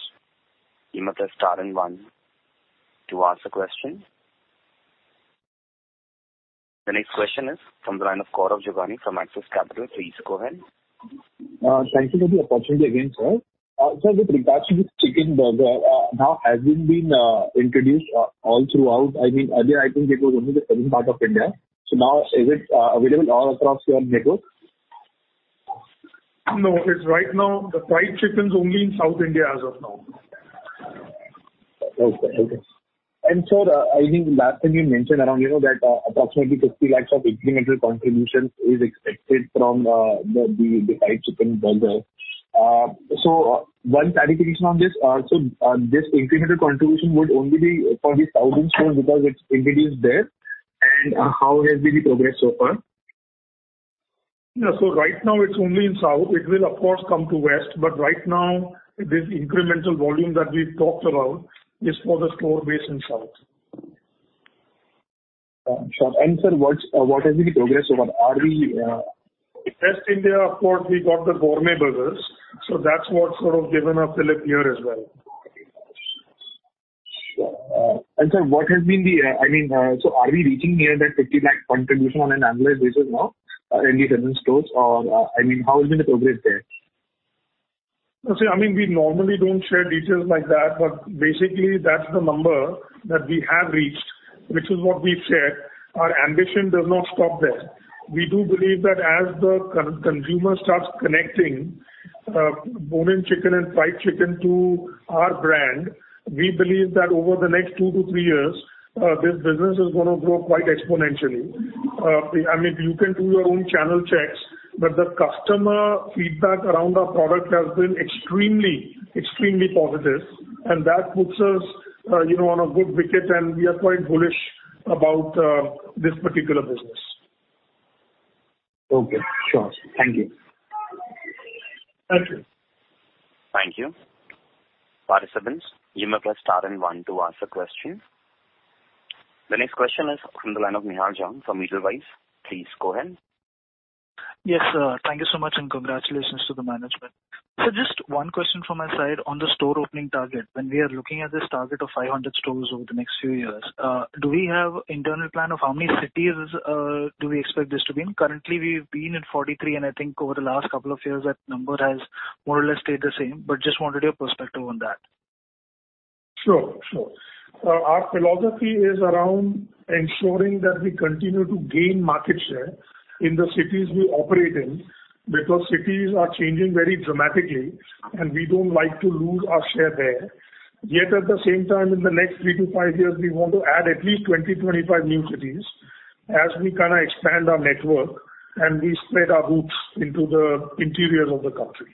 you may press star and one to ask a question. The next question is from the line of Gaurav Jogani from Axis Capital. Please go ahead. Thank you for the opportunity again, sir. Sir, with regards to this chicken burger, now has it been introduced all throughout? I mean, earlier I think it was only the southern part of India. Now is it available all across your network? No, it's right now the fried chicken's only in South India as of now. Okay, okay. Sir, I think last time you mentioned around, you know, that approximately 50 lakhs of incremental contribution is expected from the fried chicken burger. So one clarification on this. Also, this incremental contribution would only be for the southern stores because it's introduced there. How has been the progress so far? Yeah. Right now it's only in South. It will of course come to West, but right now this incremental volume that we've talked about is for the store base in South. Sure. Sir, what has been the progress so far? Are we, In West India, of course, we've got the gourmet burgers, so that's what sort of given a fillip here as well. Sure. Sir, what has been the? I mean, so are we reaching near that 50 lakh contribution on an annual basis now in the southern stores or, I mean, how has been the progress there? I mean, we normally don't share details like that, but basically that's the number that we have reached, which is what we've said. Our ambition does not stop there. We do believe that as the consumer starts connecting bone-in chicken and fried chicken to our brand, we believe that over the next 2-3 years, this business is gonna grow quite exponentially. I mean, you can do your own channel checks, but the customer feedback around our product has been extremely positive, and that puts us, you know, on a good wicket, and we are quite bullish about this particular business. Okay. Sure. Thank you. Thank you. Thank you. Participants, you may press star and one to ask a question. The next question is from the line of Nihal Jham from Edelweiss. Please go ahead. Yes, sir. Thank you so much, and congratulations to the management. Just one question from my side on the store opening target. When we are looking at this target of 500 stores over the next few years, do we have internal plan of how many cities do we expect this to be in? Currently we've been in 43, and I think over the last couple of years that number has more or less stayed the same, but just wanted your perspective on that. Sure, sure. Our philosophy is around ensuring that we continue to gain market share in the cities we operate in because cities are changing very dramatically, and we don't like to lose our share there. Yet at the same time, in the next 3 to 5 years, we want to add at least 20-25 new cities as we kind of expand our network and we spread our roots into the interior of the country.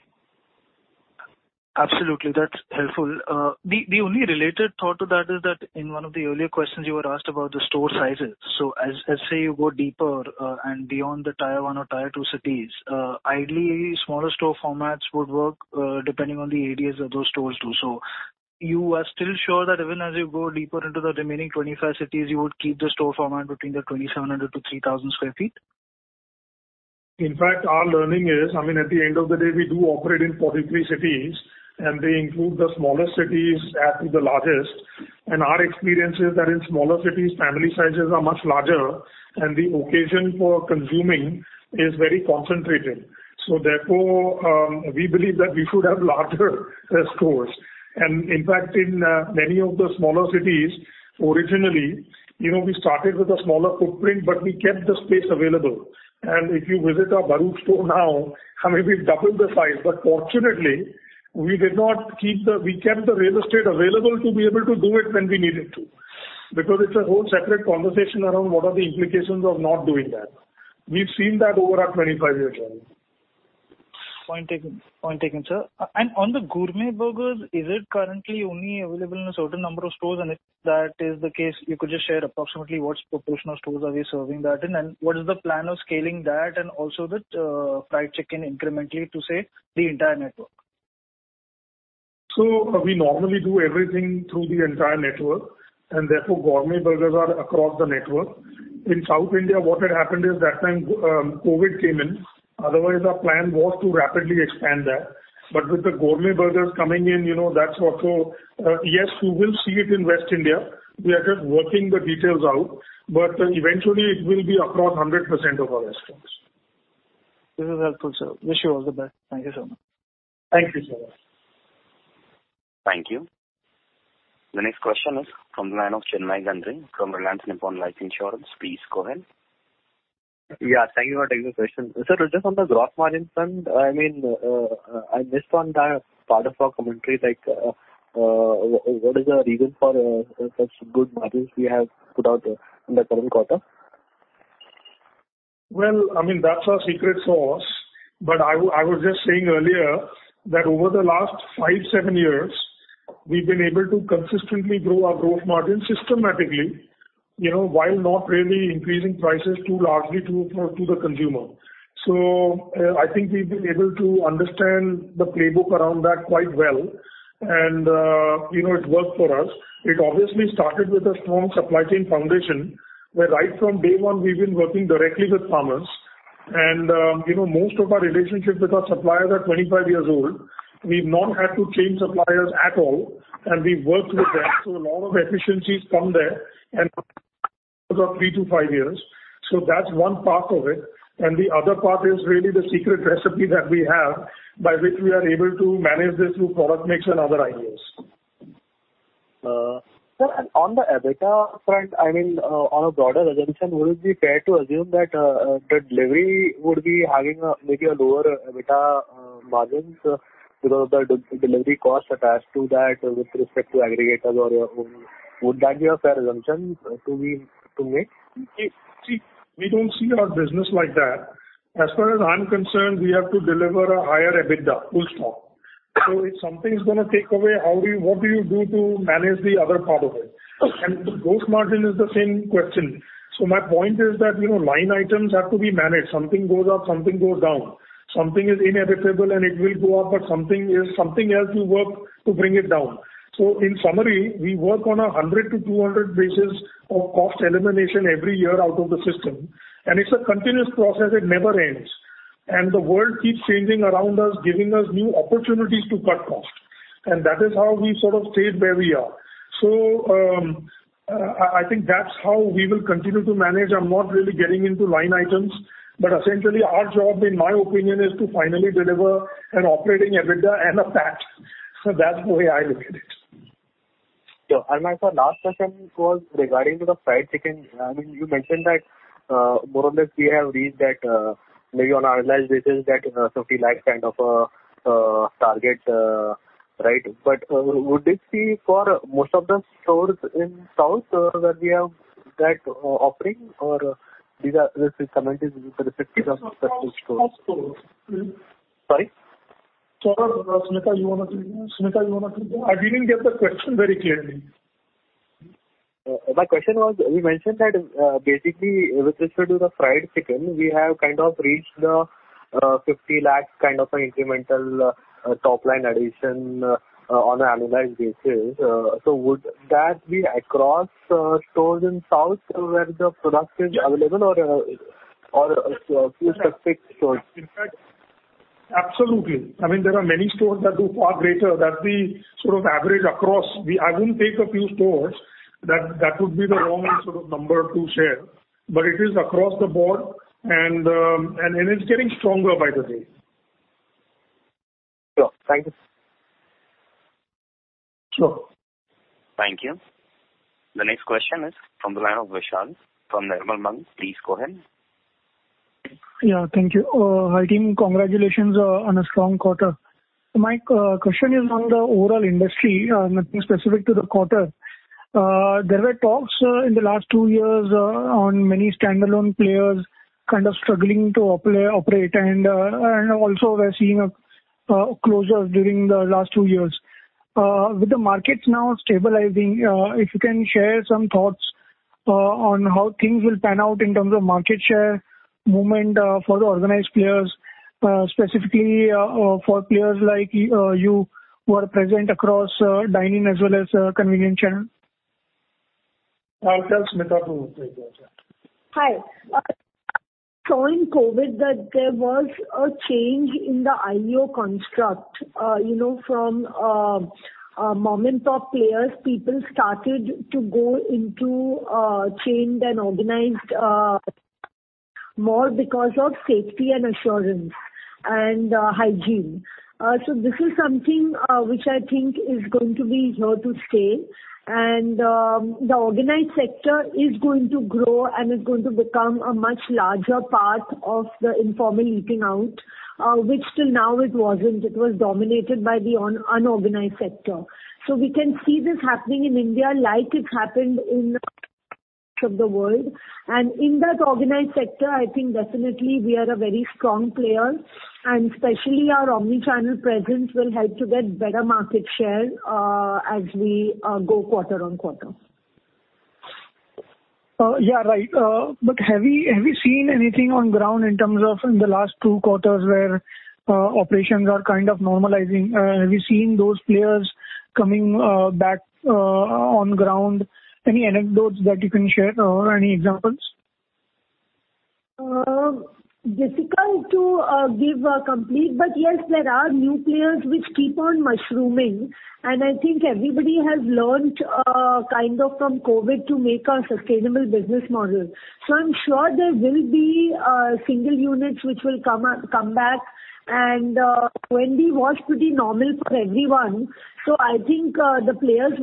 Absolutely. That's helpful. The only related thought to that is that in one of the earlier questions you were asked about the store sizes. As, say, you go deeper and beyond the tier one or tier two cities, ideally smaller store formats would work, depending on the areas that those stores do. You are still sure that even as you go deeper into the remaining 25 cities you would keep the store format between 2,700-3,000 sq ft? In fact, our learning is, I mean, at the end of the day, we do operate in 43 cities, and they include the smallest cities down to the largest. Our experience is that in smaller cities family sizes are much larger, and the occasion for consuming is very concentrated. Therefore, we believe that we should have larger stores. In fact, in many of the smaller cities, originally, you know, we started with a smaller footprint, but we kept the space available. If you visit our Bharuch store now, I mean, we've doubled the size. Fortunately, we kept the real estate available to be able to do it when we needed to. It's a whole separate conversation around what are the implications of not doing that. We've seen that over our 25-year journey. Point taken, sir. On the gourmet burgers, is it currently only available in a certain number of stores? If that is the case, you could just share approximately what proportion of stores are we serving that in, and what is the plan of scaling that and also the fried chicken incrementally to, say, the entire network? We normally do everything through the entire network, and therefore gourmet burgers are across the network. In South India, what had happened is that time, COVID came in, otherwise our plan was to rapidly expand that. With the gourmet burgers coming in, you know, that's also. Yes, you will see it in West India. We are just working the details out, but eventually it will be across 100% of our restaurants. This is helpful, sir. Wish you all the best. Thank you so much. Thank you so much. Thank you. The next question is from the line of Chintan Gindran from Reliance Nippon Life Insurance. Please go ahead. Yeah. Thank you for taking the question. Sir, just on the growth margins front, I mean, I missed on that part of our commentary, like, what is the reason for such good margins we have put out in the current quarter? Well, I mean, that's our secret sauce. I was just saying earlier that over the last 5-7 years, we've been able to consistently grow our gross margin systematically, you know, while not really increasing prices too largely to, for, to the consumer. I think we've been able to understand the playbook around that quite well and, you know, it worked for us. It obviously started with a strong supply chain foundation, where right from day one we've been working directly with farmers and, you know, most of our relationships with our suppliers are 25 years old. We've not had to change suppliers at all, and we've worked with them, so a lot of efficiencies come there and 3-5 years. That's one part of it. The other part is really the secret recipe that we have by which we are able to manage this through product mix and other ideas. Sir, on the EBITDA front, I mean, on a broader assumption, would it be fair to assume that the delivery would be having maybe lower EBITDA margins because of the delivery cost attached to that with respect to aggregator or your own? Would that be a fair assumption to make? See, we don't see our business like that. As far as I'm concerned, we have to deliver a higher EBITDA, full stop. If something's gonna take away, how do you, what do you do to manage the other part of it? Okay. Gross margin is the same question. My point is that, you know, line items have to be managed. Something goes up, something goes down. Something is inevitable and it will go up, but something else will work to bring it down. In summary, we work on 100-200 basis of cost elimination every year out of the system. It's a continuous process. It never ends. The world keeps changing around us, giving us new opportunities to cut costs. That is how we sort of stayed where we are. I think that's how we will continue to manage. I'm not really getting into line items. Essentially our job, in my opinion, is to finally deliver an operating EBITDA and a PAT. That's the way I look at it. Sure. My last question was regarding to the fried chicken. I mean, you mentioned that, more or less we have reached that, maybe on annualized basis that 50 lakh kind of target, right? Would this be for most of the stores in South where we have that offering or is this comment with respect to the stores. All stores. Sorry. Sir, Smita, you wanna take that? I didn't get the question very clearly. My question was, you mentioned that, basically with respect to the fried chicken, we have kind of reached 50 lakh kind of incremental topline addition on an annualized basis. So would that be across stores in South where the product is available or a few specific stores? In fact, absolutely. I mean, there are many stores that do far greater. That's the sort of average across. I wouldn't take a few stores. That would be the wrong sort of number to share. But it is across the board, and it's getting stronger by the day. Sure. Thank you. Sure. Thank you. The next question is from the line of Vishal from Nirmal Bang. Please go ahead. Yeah. Thank you. Hi, team. Congratulations on a strong quarter. My question is on the overall industry, nothing specific to the quarter. There were talks in the last two years on many standalone players kind of struggling to operate, and also we're seeing closures during the last two years. With the markets now stabilizing, if you can share some thoughts on how things will pan out in terms of market share movement for the organized players, specifically for players like you who are present across dining as well as convenience channel. I'll tell Smita to take that. Hi. In COVID, there was a change in the IEO construct, you know, from mom-and-pop players. People started to go into chain and organized more because of safety and assurance and hygiene. This is something which I think is going to be here to stay and the organized sector is going to grow and it's going to become a much larger part of the informal eating out, which till now it wasn't. It was dominated by the unorganized sector. We can see this happening in India like it happened in the world. In that organized sector, I think definitely we are a very strong player, and especially our omni-channel presence will help to get better market share as we go quarter-on-quarter. Yeah. Right. Have you seen anything on ground in terms of in the last two quarters where operations are kind of normalizing? Have you seen those players coming back on ground? Any anecdotes that you can share or any examples? Difficult to give a complete, but yes, there are new players which keep on mushrooming, and I think everybody has learnt kind of from COVID to make a sustainable business model. I'm sure there will be single units which will come back and O&D was pretty normal for everyone. I think the players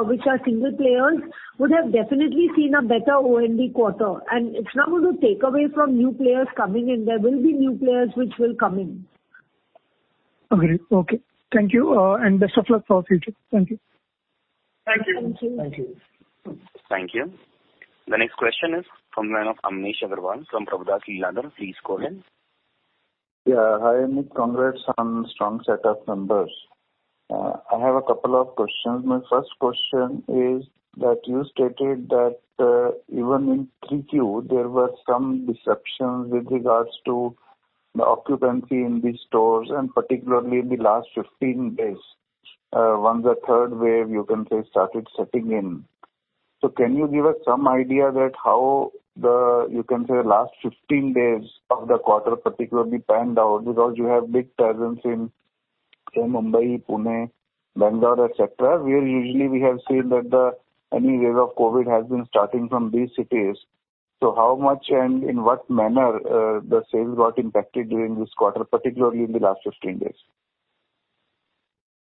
which are single players would have definitely seen a better O&D quarter. It's not going to take away from new players coming in. There will be new players which will come in. Agree. Okay. Thank you, and best of luck for future. Thank you. Thank you. Thank you. Thank you. The next question is from the line of Amnish Aggarwal from Prabhudas Lilladher. Please go ahead. Hi, Amit. Congrats on strong set of numbers. I have a couple of questions. My first question is that you stated that even in Q3, there were some disruptions with regards to the occupancy in these stores, and particularly the last 15 days, once the third wave started setting in. Can you give us some idea of how the last 15 days of the quarter particularly panned out because you have big presence in, say, Mumbai, Pune, Bangalore, et cetera, where usually we have seen that any wave of COVID has been starting from these cities. How much and in what manner the sales got impacted during this quarter, particularly in the last 15 days?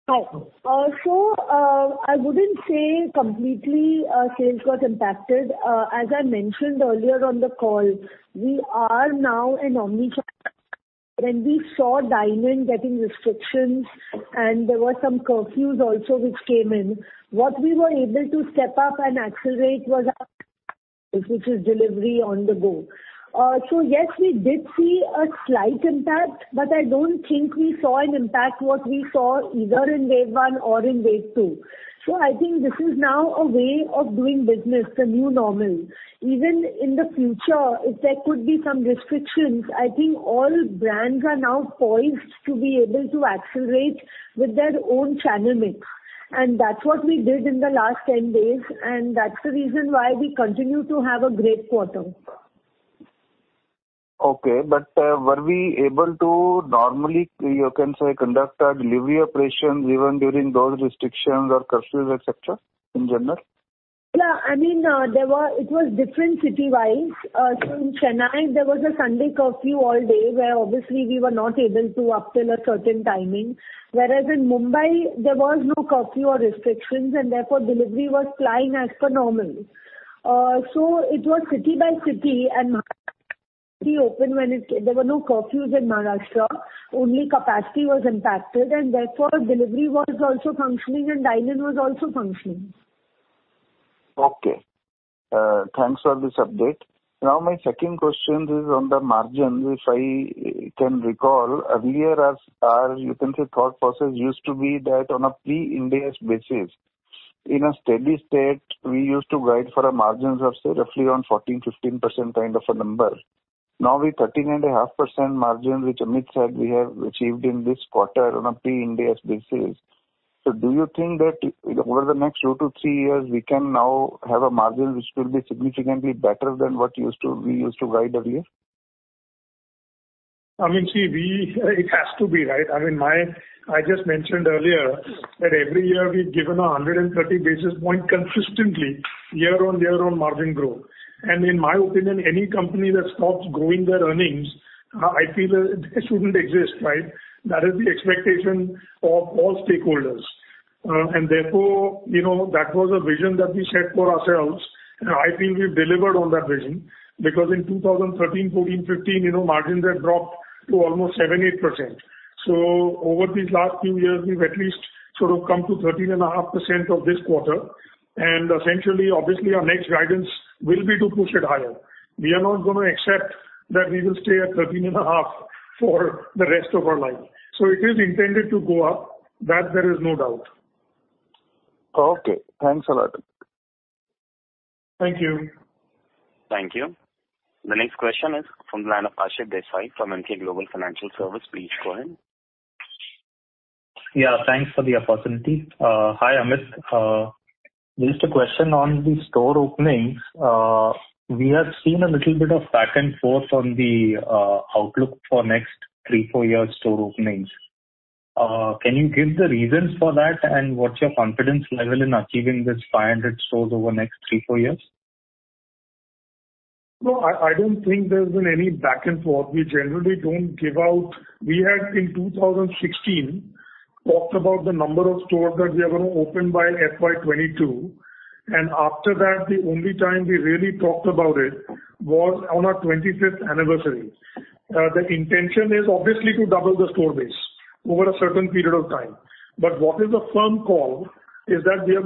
I wouldn't say completely sales got impacted. As I mentioned earlier on the call, we are now an omnichannel. When we saw dine-in getting restrictions and there were some curfews also which came in, what we were able to step up and accelerate was our delivery on the go. Yes, we did see a slight impact, but I don't think we saw an impact like what we saw either in wave one or wave two. I think this is now a way of doing business, the new normal. Even in the future, if there could be some restrictions, I think all brands are now poised to be able to accelerate with their own channel mix. That's what we did in the last 10 days, and that's the reason why we continue to have a great quarter. Okay, were we able to normally, you can say, conduct our delivery operations even during those restrictions or curfews, et cetera, in general? I mean, it was different city-wise. In Chennai, there was a Sunday curfew all day where obviously we were not able to open till a certain timing. Whereas in Mumbai, there was no curfew or restrictions, and therefore delivery was flying as per normal. It was city by city. There were no curfews in Maharashtra, only capacity was impacted, and therefore delivery was also functioning and dine-in was also functioning. Okay. Thanks for this update. Now, my second question is on the margins. If I can recall, earlier as our, you can say, thought process used to be that on a pre-Ind AS basis. In a steady state, we used to guide for our margins of say roughly 14-15% kind of a number. Now with 13.5% margin, which Amit said we have achieved in this quarter on a pre-Ind AS basis. Do you think that over the next 2-3 years, we can now have a margin which will be significantly better than what we used to guide earlier? I mean, see, it has to be, right? I mean, I just mentioned earlier that every year we've given 130 basis point consistently year-on-year on margin growth. In my opinion, any company that stops growing their earnings, I feel they shouldn't exist, right? That is the expectation of all stakeholders. Therefore, you know, that was a vision that we set for ourselves. I feel we've delivered on that vision because in 2013, 2014, 2015, you know, margins had dropped to almost 7%-8%. Over these last few years, we've at least sort of come to 13.5% of this quarter. Essentially, obviously, our next guidance will be to push it higher. We are not gonna accept that we will stay at 13.5 for the rest of our life. It is intended to go up. That there is no doubt. Okay, thanks a lot. Thank you. Thank you. The next question is from the line of Ashit Desai from Emkay Global Financial Services. Please go ahead. Yeah, thanks for the opportunity. Hi, Amit. Just a question on the store openings. We have seen a little bit of back and forth on the outlook for next three, four years store openings. Can you give the reasons for that, and what's your confidence level in achieving this 500 stores over the next three, four years? No, I don't think there's been any back and forth. We generally don't give out. We had in 2016 talked about the number of stores that we are gonna open by FY 2022, and after that, the only time we really talked about it was on our 25th anniversary. The intention is obviously to double the store base over a certain period of time. But what is a firm call is that we are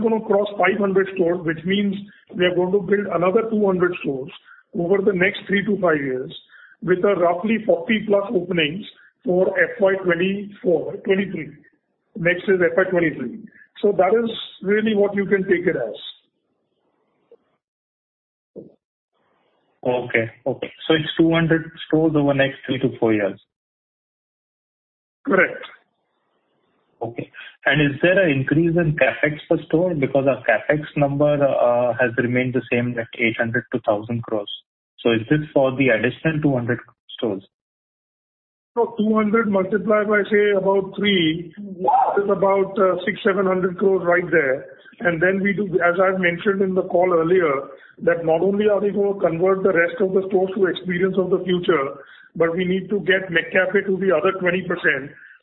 gonna cross 500 stores, which means we are going to build another 200 stores over the next 3 to 5 years with a roughly 40+ openings for FY 2024, 2023. Next is FY 2023. That is really what you can take it as. It's 200 stores over the next 3-4 years. Correct. Okay. Is there an increase in CapEx per store? Because our CapEx number has remained the same at 800 crore-1,000 crore. Is this for the additional 200 stores? 200 multiplied by, say, about 3 is about 600-700 crore right there. Then we do, as I mentioned in the call earlier, that not only are we gonna convert the rest of the stores to Experience of the Future, but we need to get McCafé to the other 20%.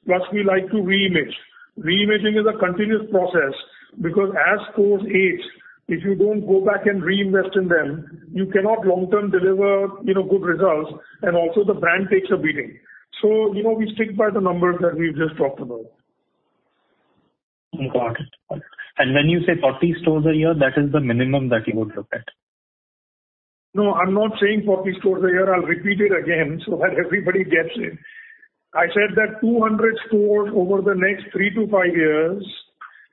Plus we like to reimage. Reimaging is a continuous process because as stores age, if you don't go back and reinvest in them, you cannot long-term deliver, you know, good results, and also the brand takes a beating. You know, we stick by the numbers that we've just talked about. Got it. When you say 40 stores a year, that is the minimum that you would look at? No, I'm not saying 40 stores a year. I'll repeat it again so that everybody gets it. I said that 200 stores over the next 3-5 years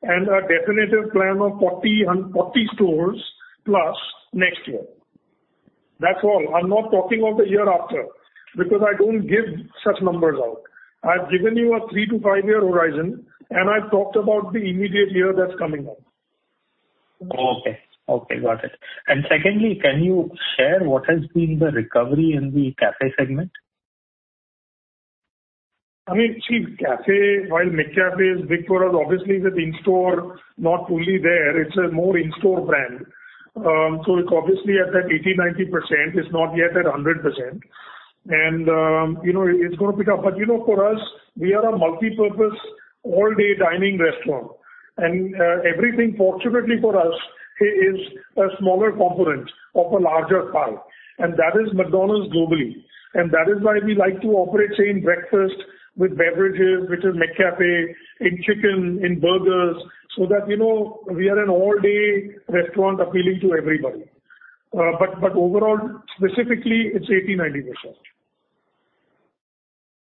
and a definitive plan of 40 stores plus next year. That's all. I'm not talking of the year after because I don't give such numbers out. I've given you a 3-5-year horizon, and I've talked about the immediate year that's coming up. Okay. Okay, got it. Secondly, can you share what has been the recovery in the café segment? I mean, see, café, while McCafé is big for us, obviously with in-store, not fully there, it's a more in-store brand. It's obviously at that 80%-90%. It's not yet at 100%. You know, it's gonna pick up. You know, for us, we are a multipurpose all-day dining restaurant. Everything fortunately for us is a smaller component of a larger pie, and that is McDonald's globally. That is why we like to operate, say, in breakfast with beverages, which is McCafé, in chicken, in burgers, so that, you know, we are an all-day restaurant appealing to everybody. Overall, spe`cifically, it's 80%-90%.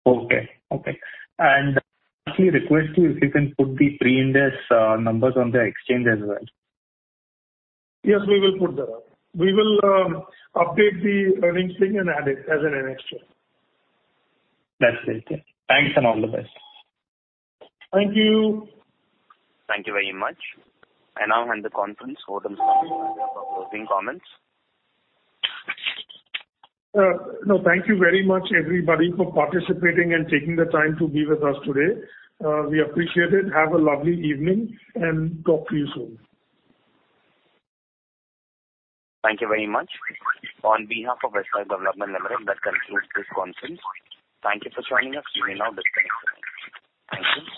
Okay. Actually request you if you can put the pre-Ind AS numbers on the exchange as well. Yes, we will put that up. We will update the earnings thing and add it as an annexure. That's it then. Thanks, and all the best. Thank you. Thank you very much. Now I hand the conference over to Amit for closing comments. No, thank you very much everybody for participating and taking the time to be with us today. We appreciate it. Have a lovely evening, and talk to you soon. Thank you very much. On behalf of Westlife Development Limited, that concludes this conference. Thank you for joining us. You may now disconnect the line. Thank you.